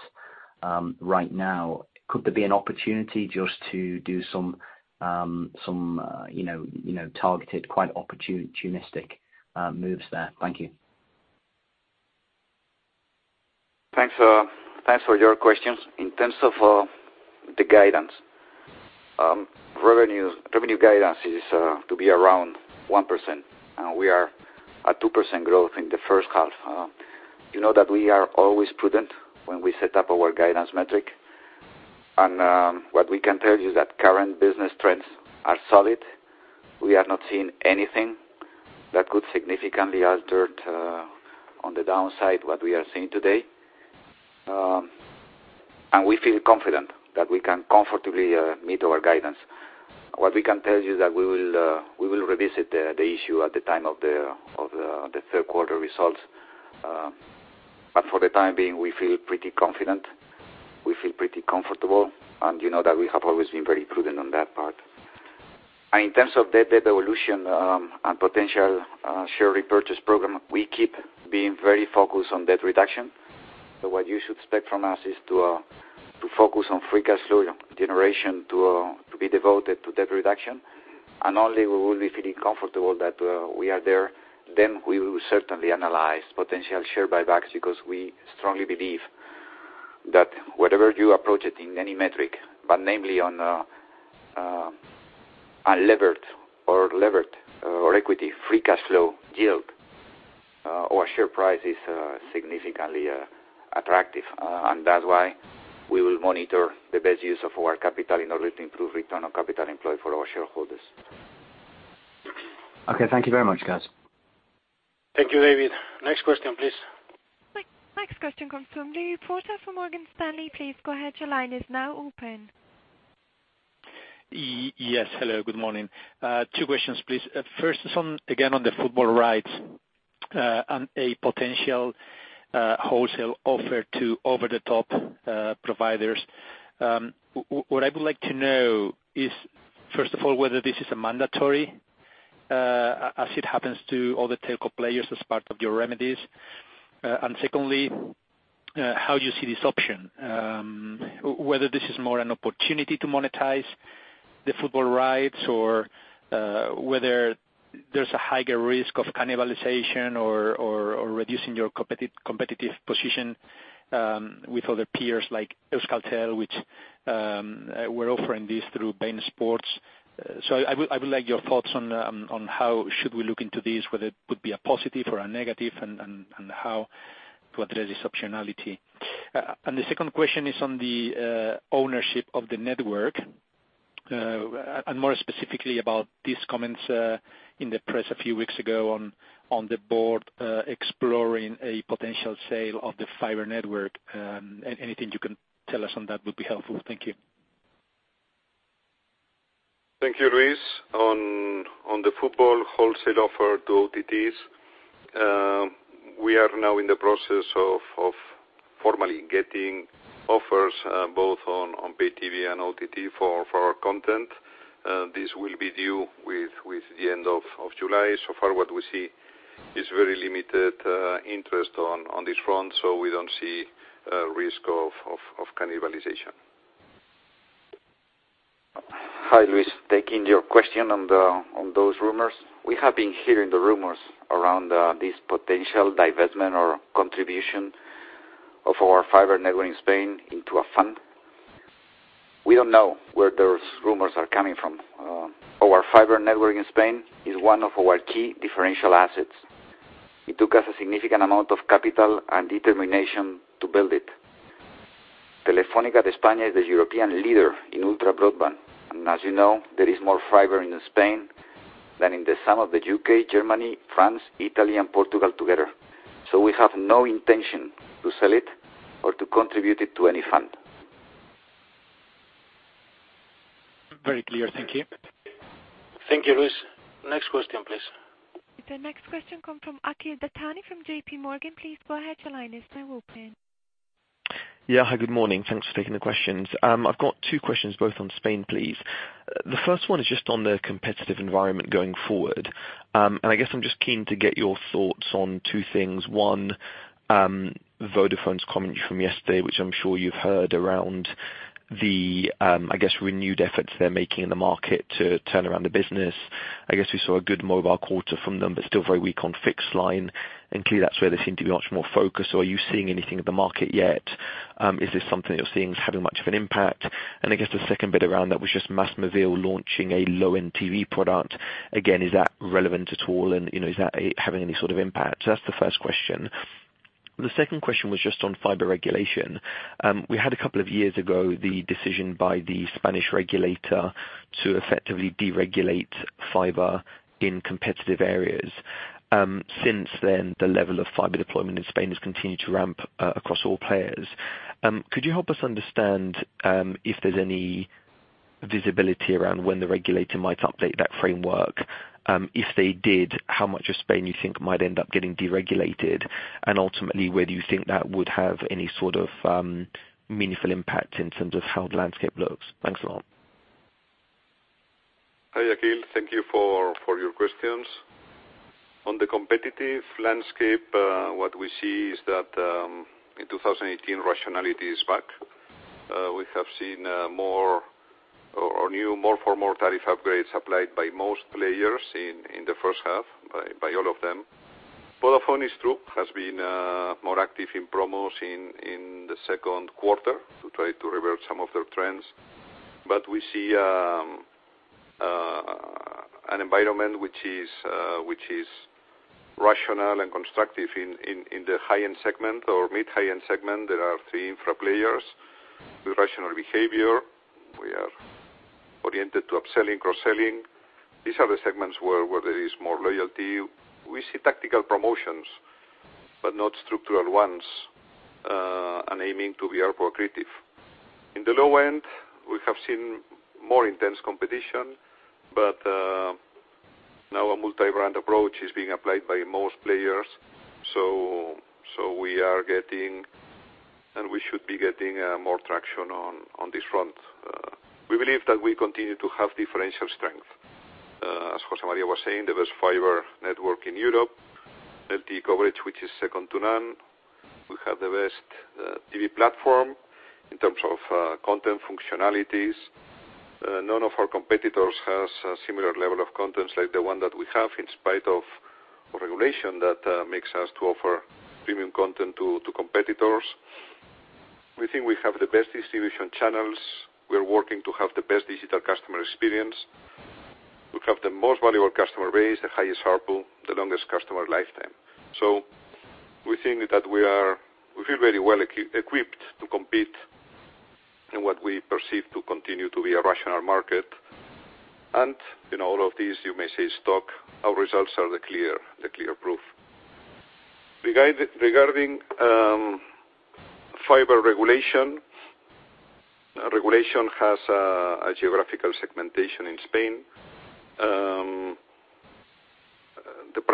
right now. Could there be an opportunity just to do some targeted, quite opportunistic moves there? Thank you.
Thanks for your questions. In terms of the guidance. Revenue guidance is to be around 1%. We are at 2% growth in the first half. You know that we are always prudent when we set up our guidance metric. What we can tell you is that current business trends are solid. We have not seen anything that could significantly alter on the downside what we are seeing today. We feel confident that we can comfortably meet our guidance.
What we can tell you that we will revisit the issue at the time of the third quarter results. For the time being, we feel pretty confident. We feel pretty comfortable, you know that we have always been very prudent on that part. In terms of debt evolution and potential share repurchase program, we keep being very focused on debt reduction. What you should expect from us is to focus on free cash flow generation to be devoted to debt reduction. Only we will be feeling comfortable that we are there, then we will certainly analyze potential share buybacks, because we strongly believe that wherever you approach it in any metric, namely unlevered or equity free cash flow yield, our share price is significantly attractive. That's why we will monitor the best use of our capital in order to improve return on capital employed for our shareholders.
Okay. Thank you very much, guys.
Thank you, David. Next question, please.
Next question comes from Luis Prota for Morgan Stanley. Please go ahead. Your line is now open.
Yes. Hello, good morning. Two questions, please. First is on, again, on the football rights, a potential wholesale offer to over-the-top providers. What I would like to know is, first of all, whether this is mandatory, as it happens to all the telco players as part of your remedies. Secondly, how you see this option, whether this is more an opportunity to monetize the football rights or whether there is a higher risk of cannibalization or reducing your competitive position with other peers like Euskaltel, which were offering this through beIN Sports. I would like your thoughts on how should we look into this, whether it would be a positive or a negative, and how to address this optionality. The second question is on the ownership of the network, and more specifically about these comments in the press a few weeks ago on the board exploring a potential sale of the fiber network. Anything you can tell us on that would be helpful. Thank you.
Thank you, Luis. On the football wholesale offer to OTTs, we are now in the process of formally getting offers, both on pay TV and OTT for our content. This will be due with the end of July. Far what we see is very limited interest on this front. We don't see risk of cannibalization.
Hi, Luis. Taking your question on those rumors. We have been hearing the rumors around this potential divestment or contribution of our fiber network in Spain into a fund. We don't know where those rumors are coming from. Our fiber network in Spain is one of our key differential assets. It took us a significant amount of capital and determination to build it. Telefónica España is the European leader in ultra broadband. As you know, there is more fiber in Spain than in the sum of the U.K., Germany, France, Italy and Portugal together. We have no intention to sell it or to contribute it to any fund.
Very clear. Thank you.
Thank you, Luis. Next question please.
The next question come from Akhil Dattani from JPMorgan. Please go ahead. Your line is now open.
Yeah. Hi, good morning. Thanks for taking the questions. I've got two questions, both on Spain, please. The first one is just on the competitive environment going forward. I guess I'm just keen to get your thoughts on two things. One, Vodafone's comment from yesterday, which I'm sure you've heard around the, I guess, renewed efforts they're making in the market to turn around the business. I guess we saw a good mobile quarter from them, but still very weak on fixed line. Clearly that's where they seem to be much more focused. Are you seeing anything in the market yet? Is this something that you're seeing is having much of an impact? I guess the second bit around that was just MásMóvil launching a low-end TV product. Again, is that relevant at all? Is that having any sort of impact? So that is the first question. The second question was just on fiber regulation. We had a couple of years ago, the decision by the Spanish regulator to effectively deregulate fiber in competitive areas. Since then, the level of fiber deployment in Spain has continued to ramp across all players. Could you help us understand if there is any visibility around when the regulator might update that framework? If they did, how much of Spain you think might end up getting deregulated? And ultimately, whether you think that would have any sort of meaningful impact in terms of how the landscape looks. Thanks a lot.
Hi, Akhil. Thank you for your questions. On the competitive landscape, what we see is that, in 2018, rationality is back. We have seen more or new, more formal tariff upgrades applied by most players in the first half, by all of them. Vodafone, it is true, has been more active in promos in the second quarter to try to revert some of their trends. But we see an environment which is rational and constructive in the high-end segment or mid high-end segment. There are three infra players with rational behavior. We are oriented to upselling, cross-selling. These are the segments where there is more loyalty. We see tactical promotions. But not structural ones, and aiming to be ARPU accretive. In the low end, we have seen more intense competition, but now a multi-brand approach is being applied by most players. We are getting, and we should be getting, more traction on this front. We believe that we continue to have differential strength. As José María was saying, the best fiber network in Europe, LTE coverage, which is second to none. We have the best TV platform in terms of content functionalities. None of our competitors has a similar level of contents like the one that we have in spite of regulation that makes us to offer premium content to competitors. We think we have the best distribution channels. We are working to have the best digital customer experience. We have the most valuable customer base, the highest ARPU, the longest customer lifetime. So we think that we feel very well equipped to compete in what we perceive to continue to be a rational market. And in all of these, you may say stock, our results are the clear proof. Regarding fiber regulation has a geographical segmentation in Spain. The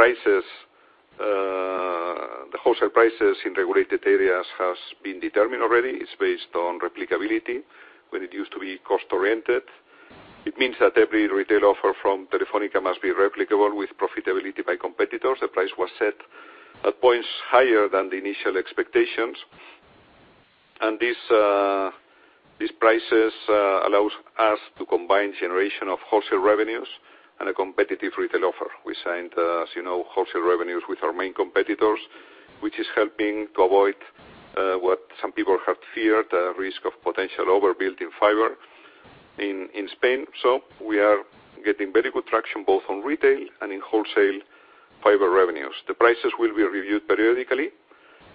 wholesale prices in regulated areas has been determined already. It is based on replicability, when it used to be cost-oriented. It means that every retail offer from Telefónica must be replicable with profitability by competitors. The price was set at points higher than the initial expectations. And these prices allows us to combine generation of wholesale revenues and a competitive retail offer. We signed, as you know, wholesale revenues with our main competitors, which is helping to avoid what some people have feared, the risk of potential overbuilding fiber in Spain. So we are getting very good traction both on retail and in wholesale fiber revenues. The prices will be reviewed periodically,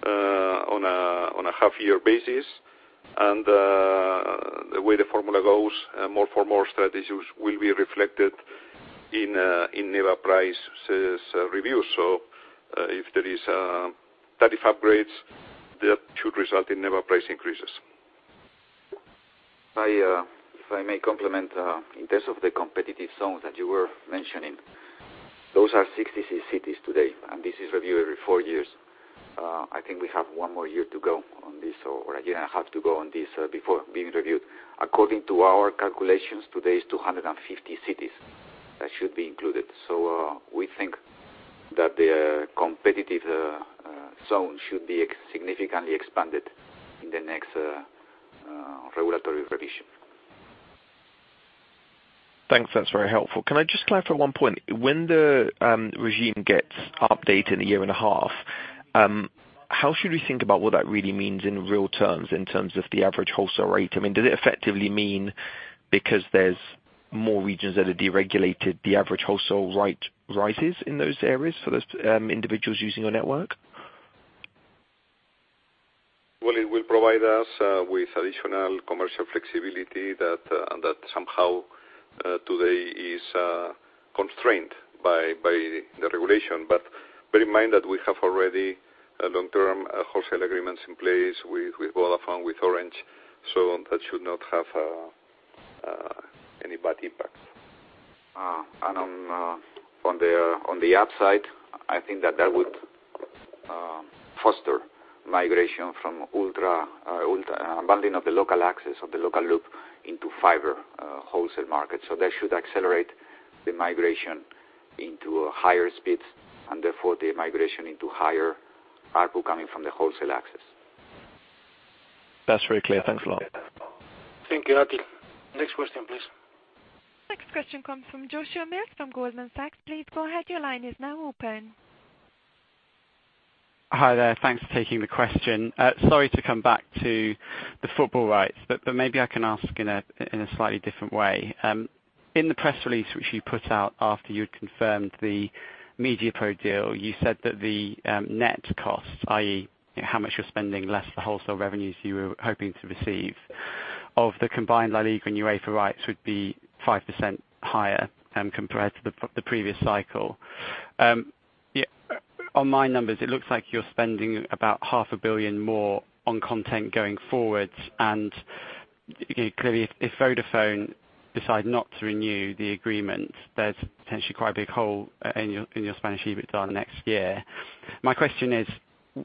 on a half-year basis. And the way the formula goes, more for more strategies will be reflected in NEBA price reviews. If there is tariff upgrades, that should result in NEBA price increases.
If I may complement, in terms of the competitive zones that you were mentioning, those are 66 cities today, and this is reviewed every 4 years. I think we have one more year to go on this, or a year and a half to go on this before being reviewed. According to our calculations, today, it is 250 cities that should be included. We think that the competitive zone should be significantly expanded in the next regulatory revision.
Thanks. That is very helpful. Can I just clarify one point? When the regime gets updated in a year and a half, how should we think about what that really means in real terms, in terms of the average wholesale rate? Does it effectively mean because there is more regions that are deregulated, the average wholesale rate rises in those areas for those individuals using your network?
It will provide us with additional commercial flexibility that somehow today is constrained by the regulation. Bear in mind that we have already long-term wholesale agreements in place with Vodafone, with Orange. That should not have any bad impacts.
On the upside, I think that that would foster migration from bundling of the local access of the local loop into fiber wholesale market. That should accelerate the migration into higher speeds, and therefore the migration into higher ARPU coming from the wholesale access.
That's very clear. Thanks a lot.
Thank you, Aki. Next question, please.
Next question comes from Joshua Mills from Goldman Sachs. Please go ahead. Your line is now open.
Hi there. Thanks for taking the question. Sorry to come back to the football rights, maybe I can ask in a slightly different way. In the press release, which you put out after you had confirmed the Mediapro deal, you said that the net costs, i.e., how much you're spending less the wholesale revenues you were hoping to receive, of the combined La Liga and UEFA rights would be 5% higher compared to the previous cycle. On my numbers, it looks like you're spending about half a billion more on content going forwards. Clearly, if Vodafone decide not to renew the agreement, there's potentially quite a big hole in your Spanish EBITDA next year. My question is,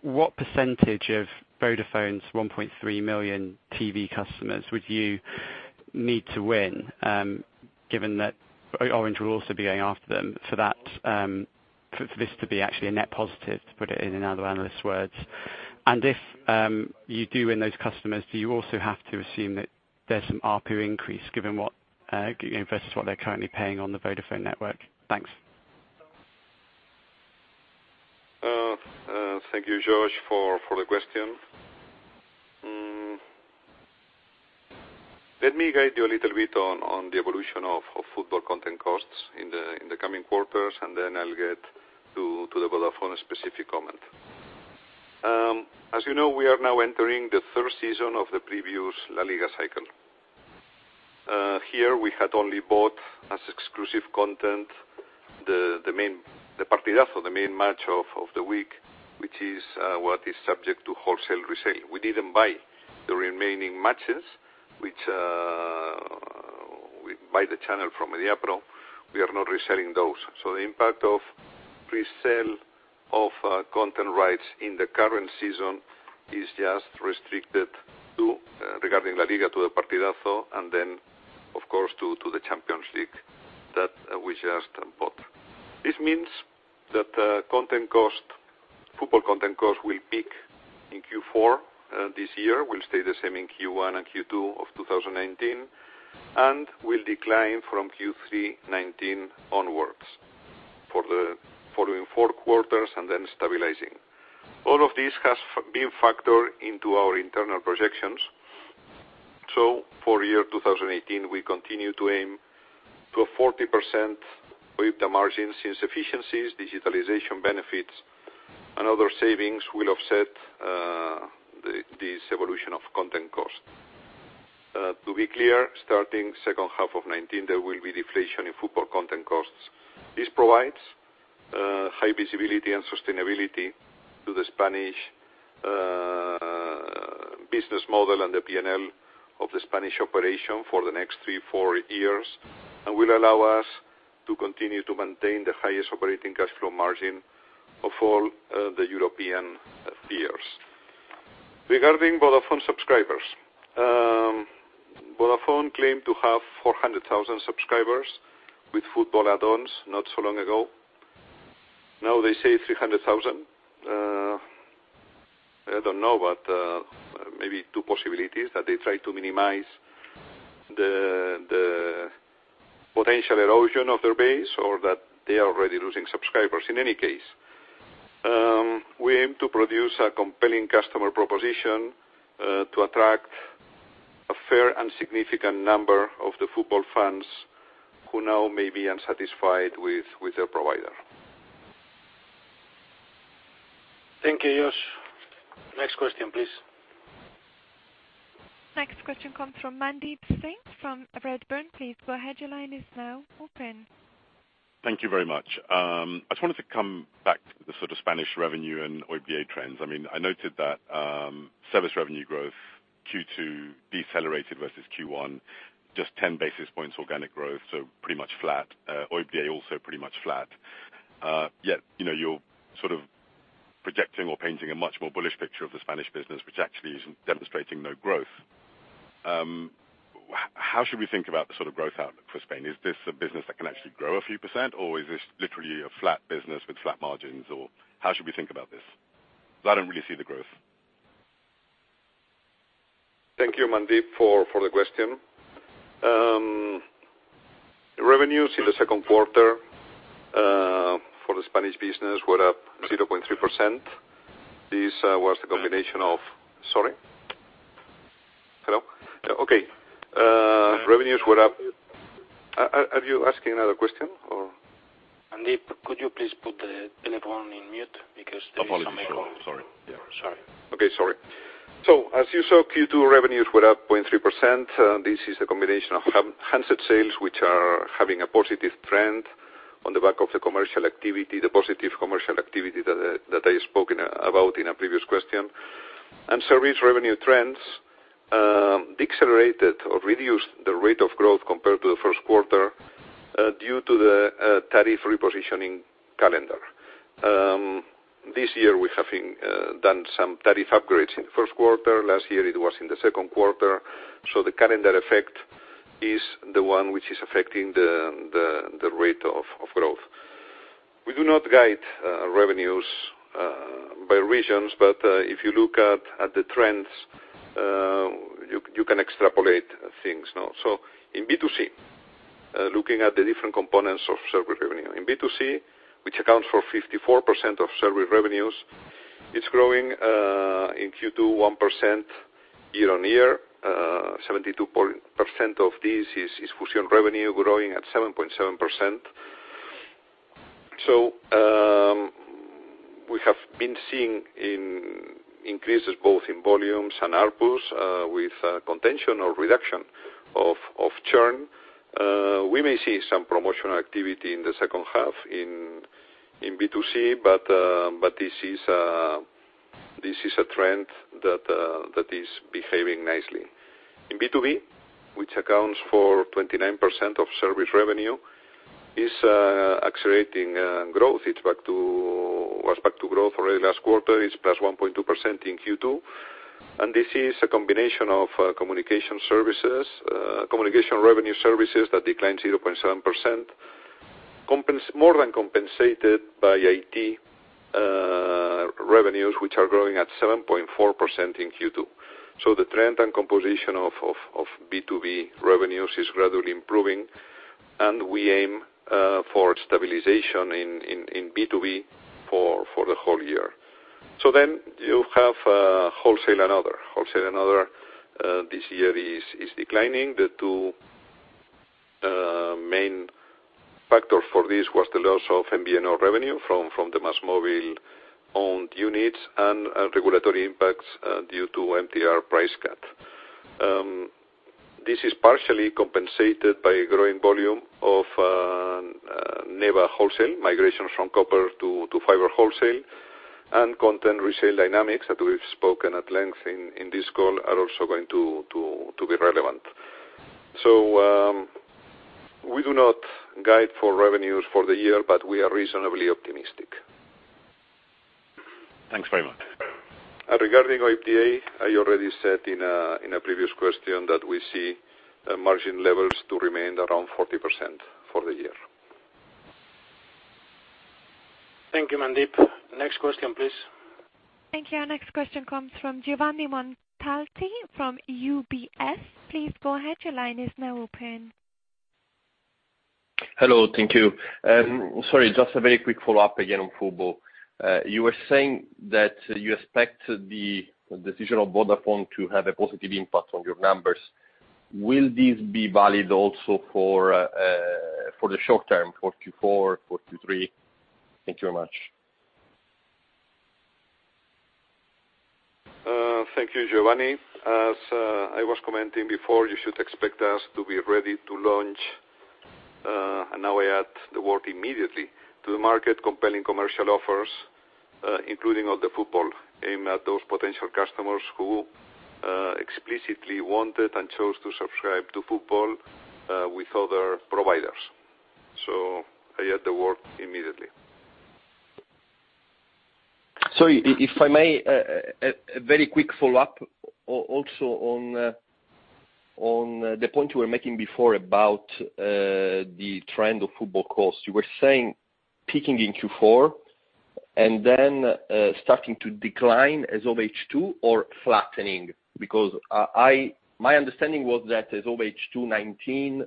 what percentage of Vodafone's 1.3 million TV customers would you need to win, given that Orange will also be going after them, for this to be actually a net positive, to put it in another analyst's words? If you do win those customers, do you also have to assume that there's some ARPU increase versus what they're currently paying on the Vodafone network? Thanks.
Thank you, Josh, for the question. Let me guide you a little bit on the evolution of football content costs in the coming quarters, then I'll get to the Vodafone specific comment. As you know, we are now entering the third season of the previous La Liga cycle. Here we had only bought as exclusive content the Partidazo, the main match of the week, which is what is subject to wholesale resale. We didn't buy the remaining matches, which we buy the channel from Mediapro. We are not reselling those. The impact of resale of content rights in the current season is just restricted to, regarding La Liga, to the Partidazo, and then, of course, to the Champions League that we just bought. This means that football content cost will peak in Q4 this year, will stay the same in Q1 and Q2 of 2019, will decline from Q3 2019 onwards for the following four quarters, and then stabilizing. All of this has been factored into our internal projections. For year 2018, we continue to aim to a 40% OIBDA margin since efficiencies, digitalization benefits, and other savings will offset this evolution of content cost. To be clear, starting second half of 2019, there will be deflation in football content costs. This provides high visibility and sustainability to the Spanish business model and the P&L of the Spanish operation for the next three, four years and will allow us to continue to maintain the highest operating cash flow margin of all the European peers. Regarding Vodafone subscribers. Vodafone claimed to have 400,000 subscribers with football add-ons not so long ago. Now they say 300,000. I don't know, but maybe two possibilities, that they try to minimize the potential erosion of their base or that they are already losing subscribers. In any case, we aim to produce a compelling customer proposition to attract a fair and significant number of the football fans who now may be unsatisfied with their provider.
Thank you, Josh. Next question, please.
Next question comes from Mandeep Singh from Redburn. Please go ahead. Your line is now open.
Thank you very much. I just wanted to come back to the sort of Spanish revenue and OIBDA trends. I noted that service revenue growth Q2 decelerated versus Q1, just 10 basis points organic growth, so pretty much flat. OIBDA also pretty much flat. You're sort of projecting or painting a much more bullish picture of the Spanish business, which actually is demonstrating no growth. How should we think about the sort of growth outlook for Spain? Is this a business that can actually grow a few %, or is this literally a flat business with flat margins, or how should we think about this? I don't really see the growth.
Thank you, Mandeep, for the question. Revenues in the second quarter for the Spanish business were up 0.3%. This was the combination of Sorry. Hello? Okay. Revenues were up. Are you asking another question or?
Mandeep, could you please put the telephone on mute because there is some echo.
Apologies. Sorry.
Sorry.
Okay. Sorry. As you saw, Q2 revenues were up 0.3%. This is a combination of handset sales, which are having a positive trend on the back of the commercial activity, the positive commercial activity that I spoken about in a previous question. Service revenue trends decelerated or reduced the rate of growth compared to the first quarter due to the tariff repositioning calendar. This year we have done some tariff upgrades in first quarter. Last year it was in the second quarter. The calendar effect is the one which is affecting the rate of growth. We do not guide revenues by regions, but if you look at the trends you can extrapolate things now. In B2C, looking at the different components of service revenue. In B2C, which accounts for 54% of service revenues, it's growing in Q2 1% year-on-year. 72% of this is Fusión revenue growing at 7.7%. We have been seeing increases both in volumes and ARPU with contention or reduction of churn. We may see some promotional activity in the second half in B2C, but this is a trend that is behaving nicely. In B2B, which accounts for 29% of service revenue, is accelerating growth. It was back to growth already last quarter. It's plus 1.2% in Q2. This is a combination of communication revenue services that declined 0.7%, more than compensated by IT revenues, which are growing at 7.4% in Q2. The trend and composition of B2B revenues is gradually improving, and we aim for stabilization in B2B for the whole year. You have wholesale and other. Wholesale and other this year is declining. The two main For this was the loss of MVNO revenue from the MásMóvil-owned units and regulatory impacts due to MTR price cut. This is partially compensated by a growing volume of NEBA wholesale, migration from copper to fiber wholesale, and content resale dynamics that we've spoken at length in this call are also going to be relevant. We do not guide for revenues for the year, but we are reasonably optimistic.
Thanks very much.
Regarding OIBDA, I already said in a previous question that we see margin levels to remain around 40% for the year.
Thank you, Mandeep. Next question, please.
Thank you. Our next question comes from Giovanni Montalti from UBS. Please go ahead. Your line is now open.
Hello. Thank you. Sorry, just a very quick follow-up again on football. You were saying that you expect the decision of Vodafone to have a positive impact on your numbers. Will this be valid also for the short term, for Q4, for Q3? Thank you very much.
Thank you, Giovanni. As I was commenting before, you should expect us to be ready to launch, and now I add the word immediately, to the market compelling commercial offers, including all the football aimed at those potential customers who explicitly wanted and chose to subscribe to football with other providers. I add the word immediately.
Sorry, if I may, a very quick follow-up also on the point you were making before about the trend of football costs. You were saying peaking in Q4, then starting to decline as of H2 or flattening? My understanding was that as of H2 2019,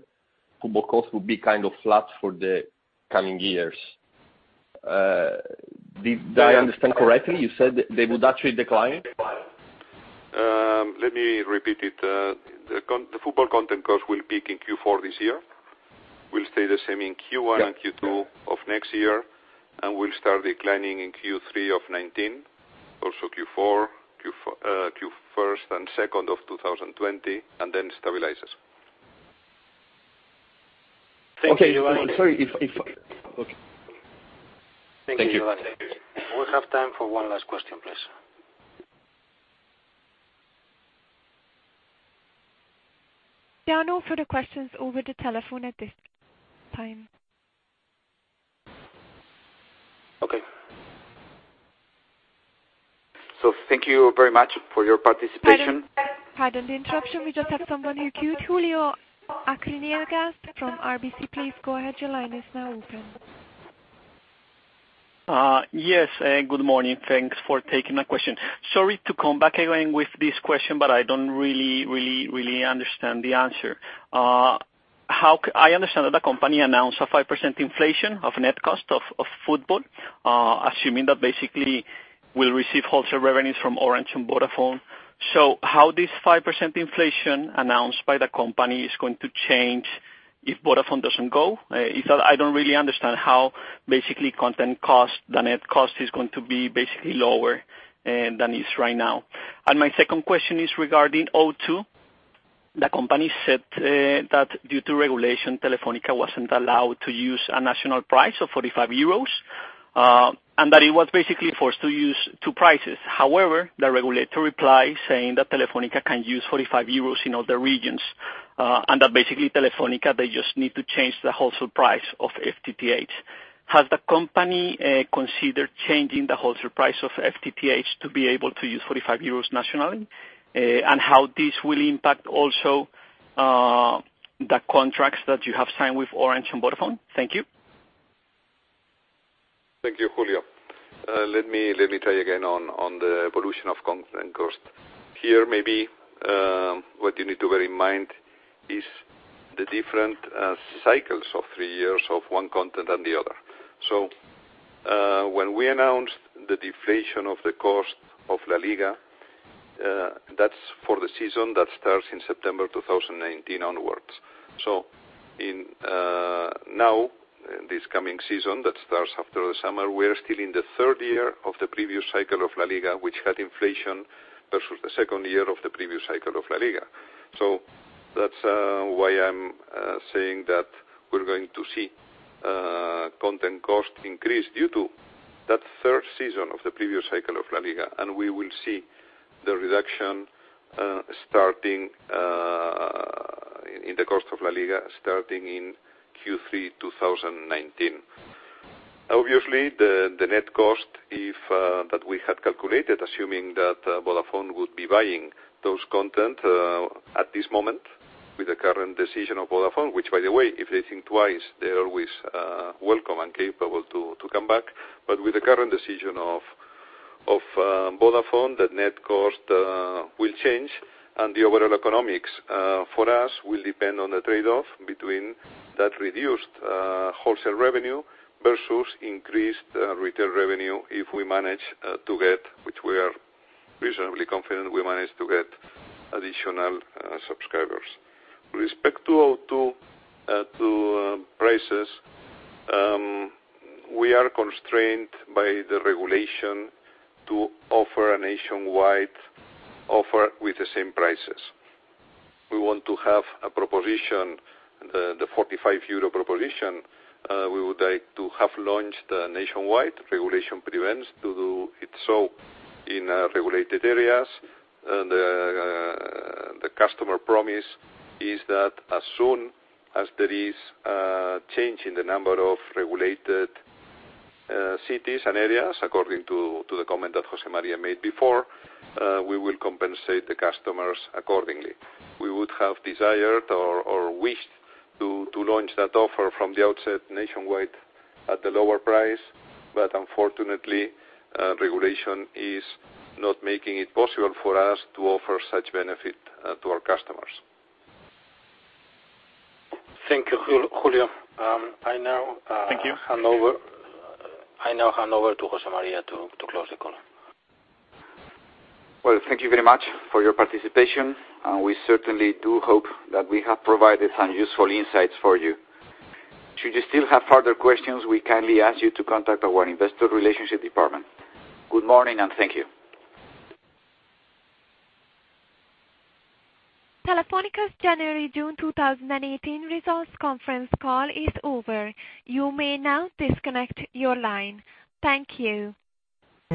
football costs will be kind of flat for the coming years. Did I understand correctly? You said they would actually decline?
Let me repeat it. The football content cost will peak in Q4 this year, will stay the same in Q1 and Q2 of next year, will start declining in Q3 of 2019, also Q4, Q1 and Q2 of 2020, then stabilizes. Okay, Giovanni. Thank you.
Thank you, Giovanni. We have time for one last question, please.
There are no further questions over the telephone at this time.
Okay.
Thank you very much for your participation.
Pardon the interruption. We just have someone in queue. Julio Acin from RBC. Please go ahead. Your line is now open.
Good morning. Thanks for taking my question. Sorry to come back again with this question, but I don't really understand the answer. I understand that the company announced a 5% inflation of net cost of football, assuming that basically we will receive wholesale revenues from Orange and Vodafone. How this 5% inflation announced by the company is going to change if Vodafone doesn't go? I don't really understand how basically content cost, the net cost is going to be basically lower than it is right now. My second question is regarding O2. The company said that due to regulation, Telefónica wasn't allowed to use a national price of 45 euros, and that it was basically forced to use two prices. However, the regulatory reply saying that Telefónica can use 45 euros in all the regions, and that basically Telefónica, they just need to change the wholesale price of FTTH. Has the company considered changing the wholesale price of FTTH to be able to use EUR 45 nationally? How this will impact also the contracts that you have signed with Orange and Vodafone? Thank you.
Thank you, Julio. Let me try again on the evolution of content cost. Here, maybe what you need to bear in mind is the different cycles of three years of one content and the other. When we announced the deflation of the cost of La Liga, that's for the season that starts in September 2019 onwards. Now, this coming season that starts after the summer, we're still in the third year of the previous cycle of La Liga, which had inflation versus the second year of the previous cycle of La Liga. That's why I'm saying that we're going to see content cost increase due to that third season of the previous cycle of La Liga. We will see the reduction in the cost of La Liga starting in Q3 2019. Obviously, the net cost that we had calculated, assuming that Vodafone would be buying those content at this moment with the current decision of Vodafone, which, by the way, if they think twice, they're always welcome and capable to come back. With the current decision of Vodafone, the net cost will change, and the overall economics for us will depend on the trade-off between that reduced wholesale revenue versus increased retail revenue if we manage to get, which we are reasonably confident we manage to get, additional subscribers. With respect to O2 prices, we are constrained by the regulation to offer a nationwide offer with the same prices. We want to have a proposition, the 45 euro proposition, we would like to have launched nationwide. Regulation prevents to do it so in regulated areas. The customer promise is that as soon as there is a change in the number of regulated cities and areas, according to the comment that José María made before, we will compensate the customers accordingly. We would have desired or wished to launch that offer from the outset nationwide at the lower price, unfortunately, regulation is not making it possible for us to offer such benefit to our customers.
Thank you, Julio.
Thank you.
I now hand over to José María to close the call.
Well, thank you very much for your participation, and we certainly do hope that we have provided some useful insights for you. Should you still have further questions, we kindly ask you to contact our Investor Relations Department. Good morning, and thank you.
Telefónica's January, June 2018 results conference call is over. You may now disconnect your line. Thank you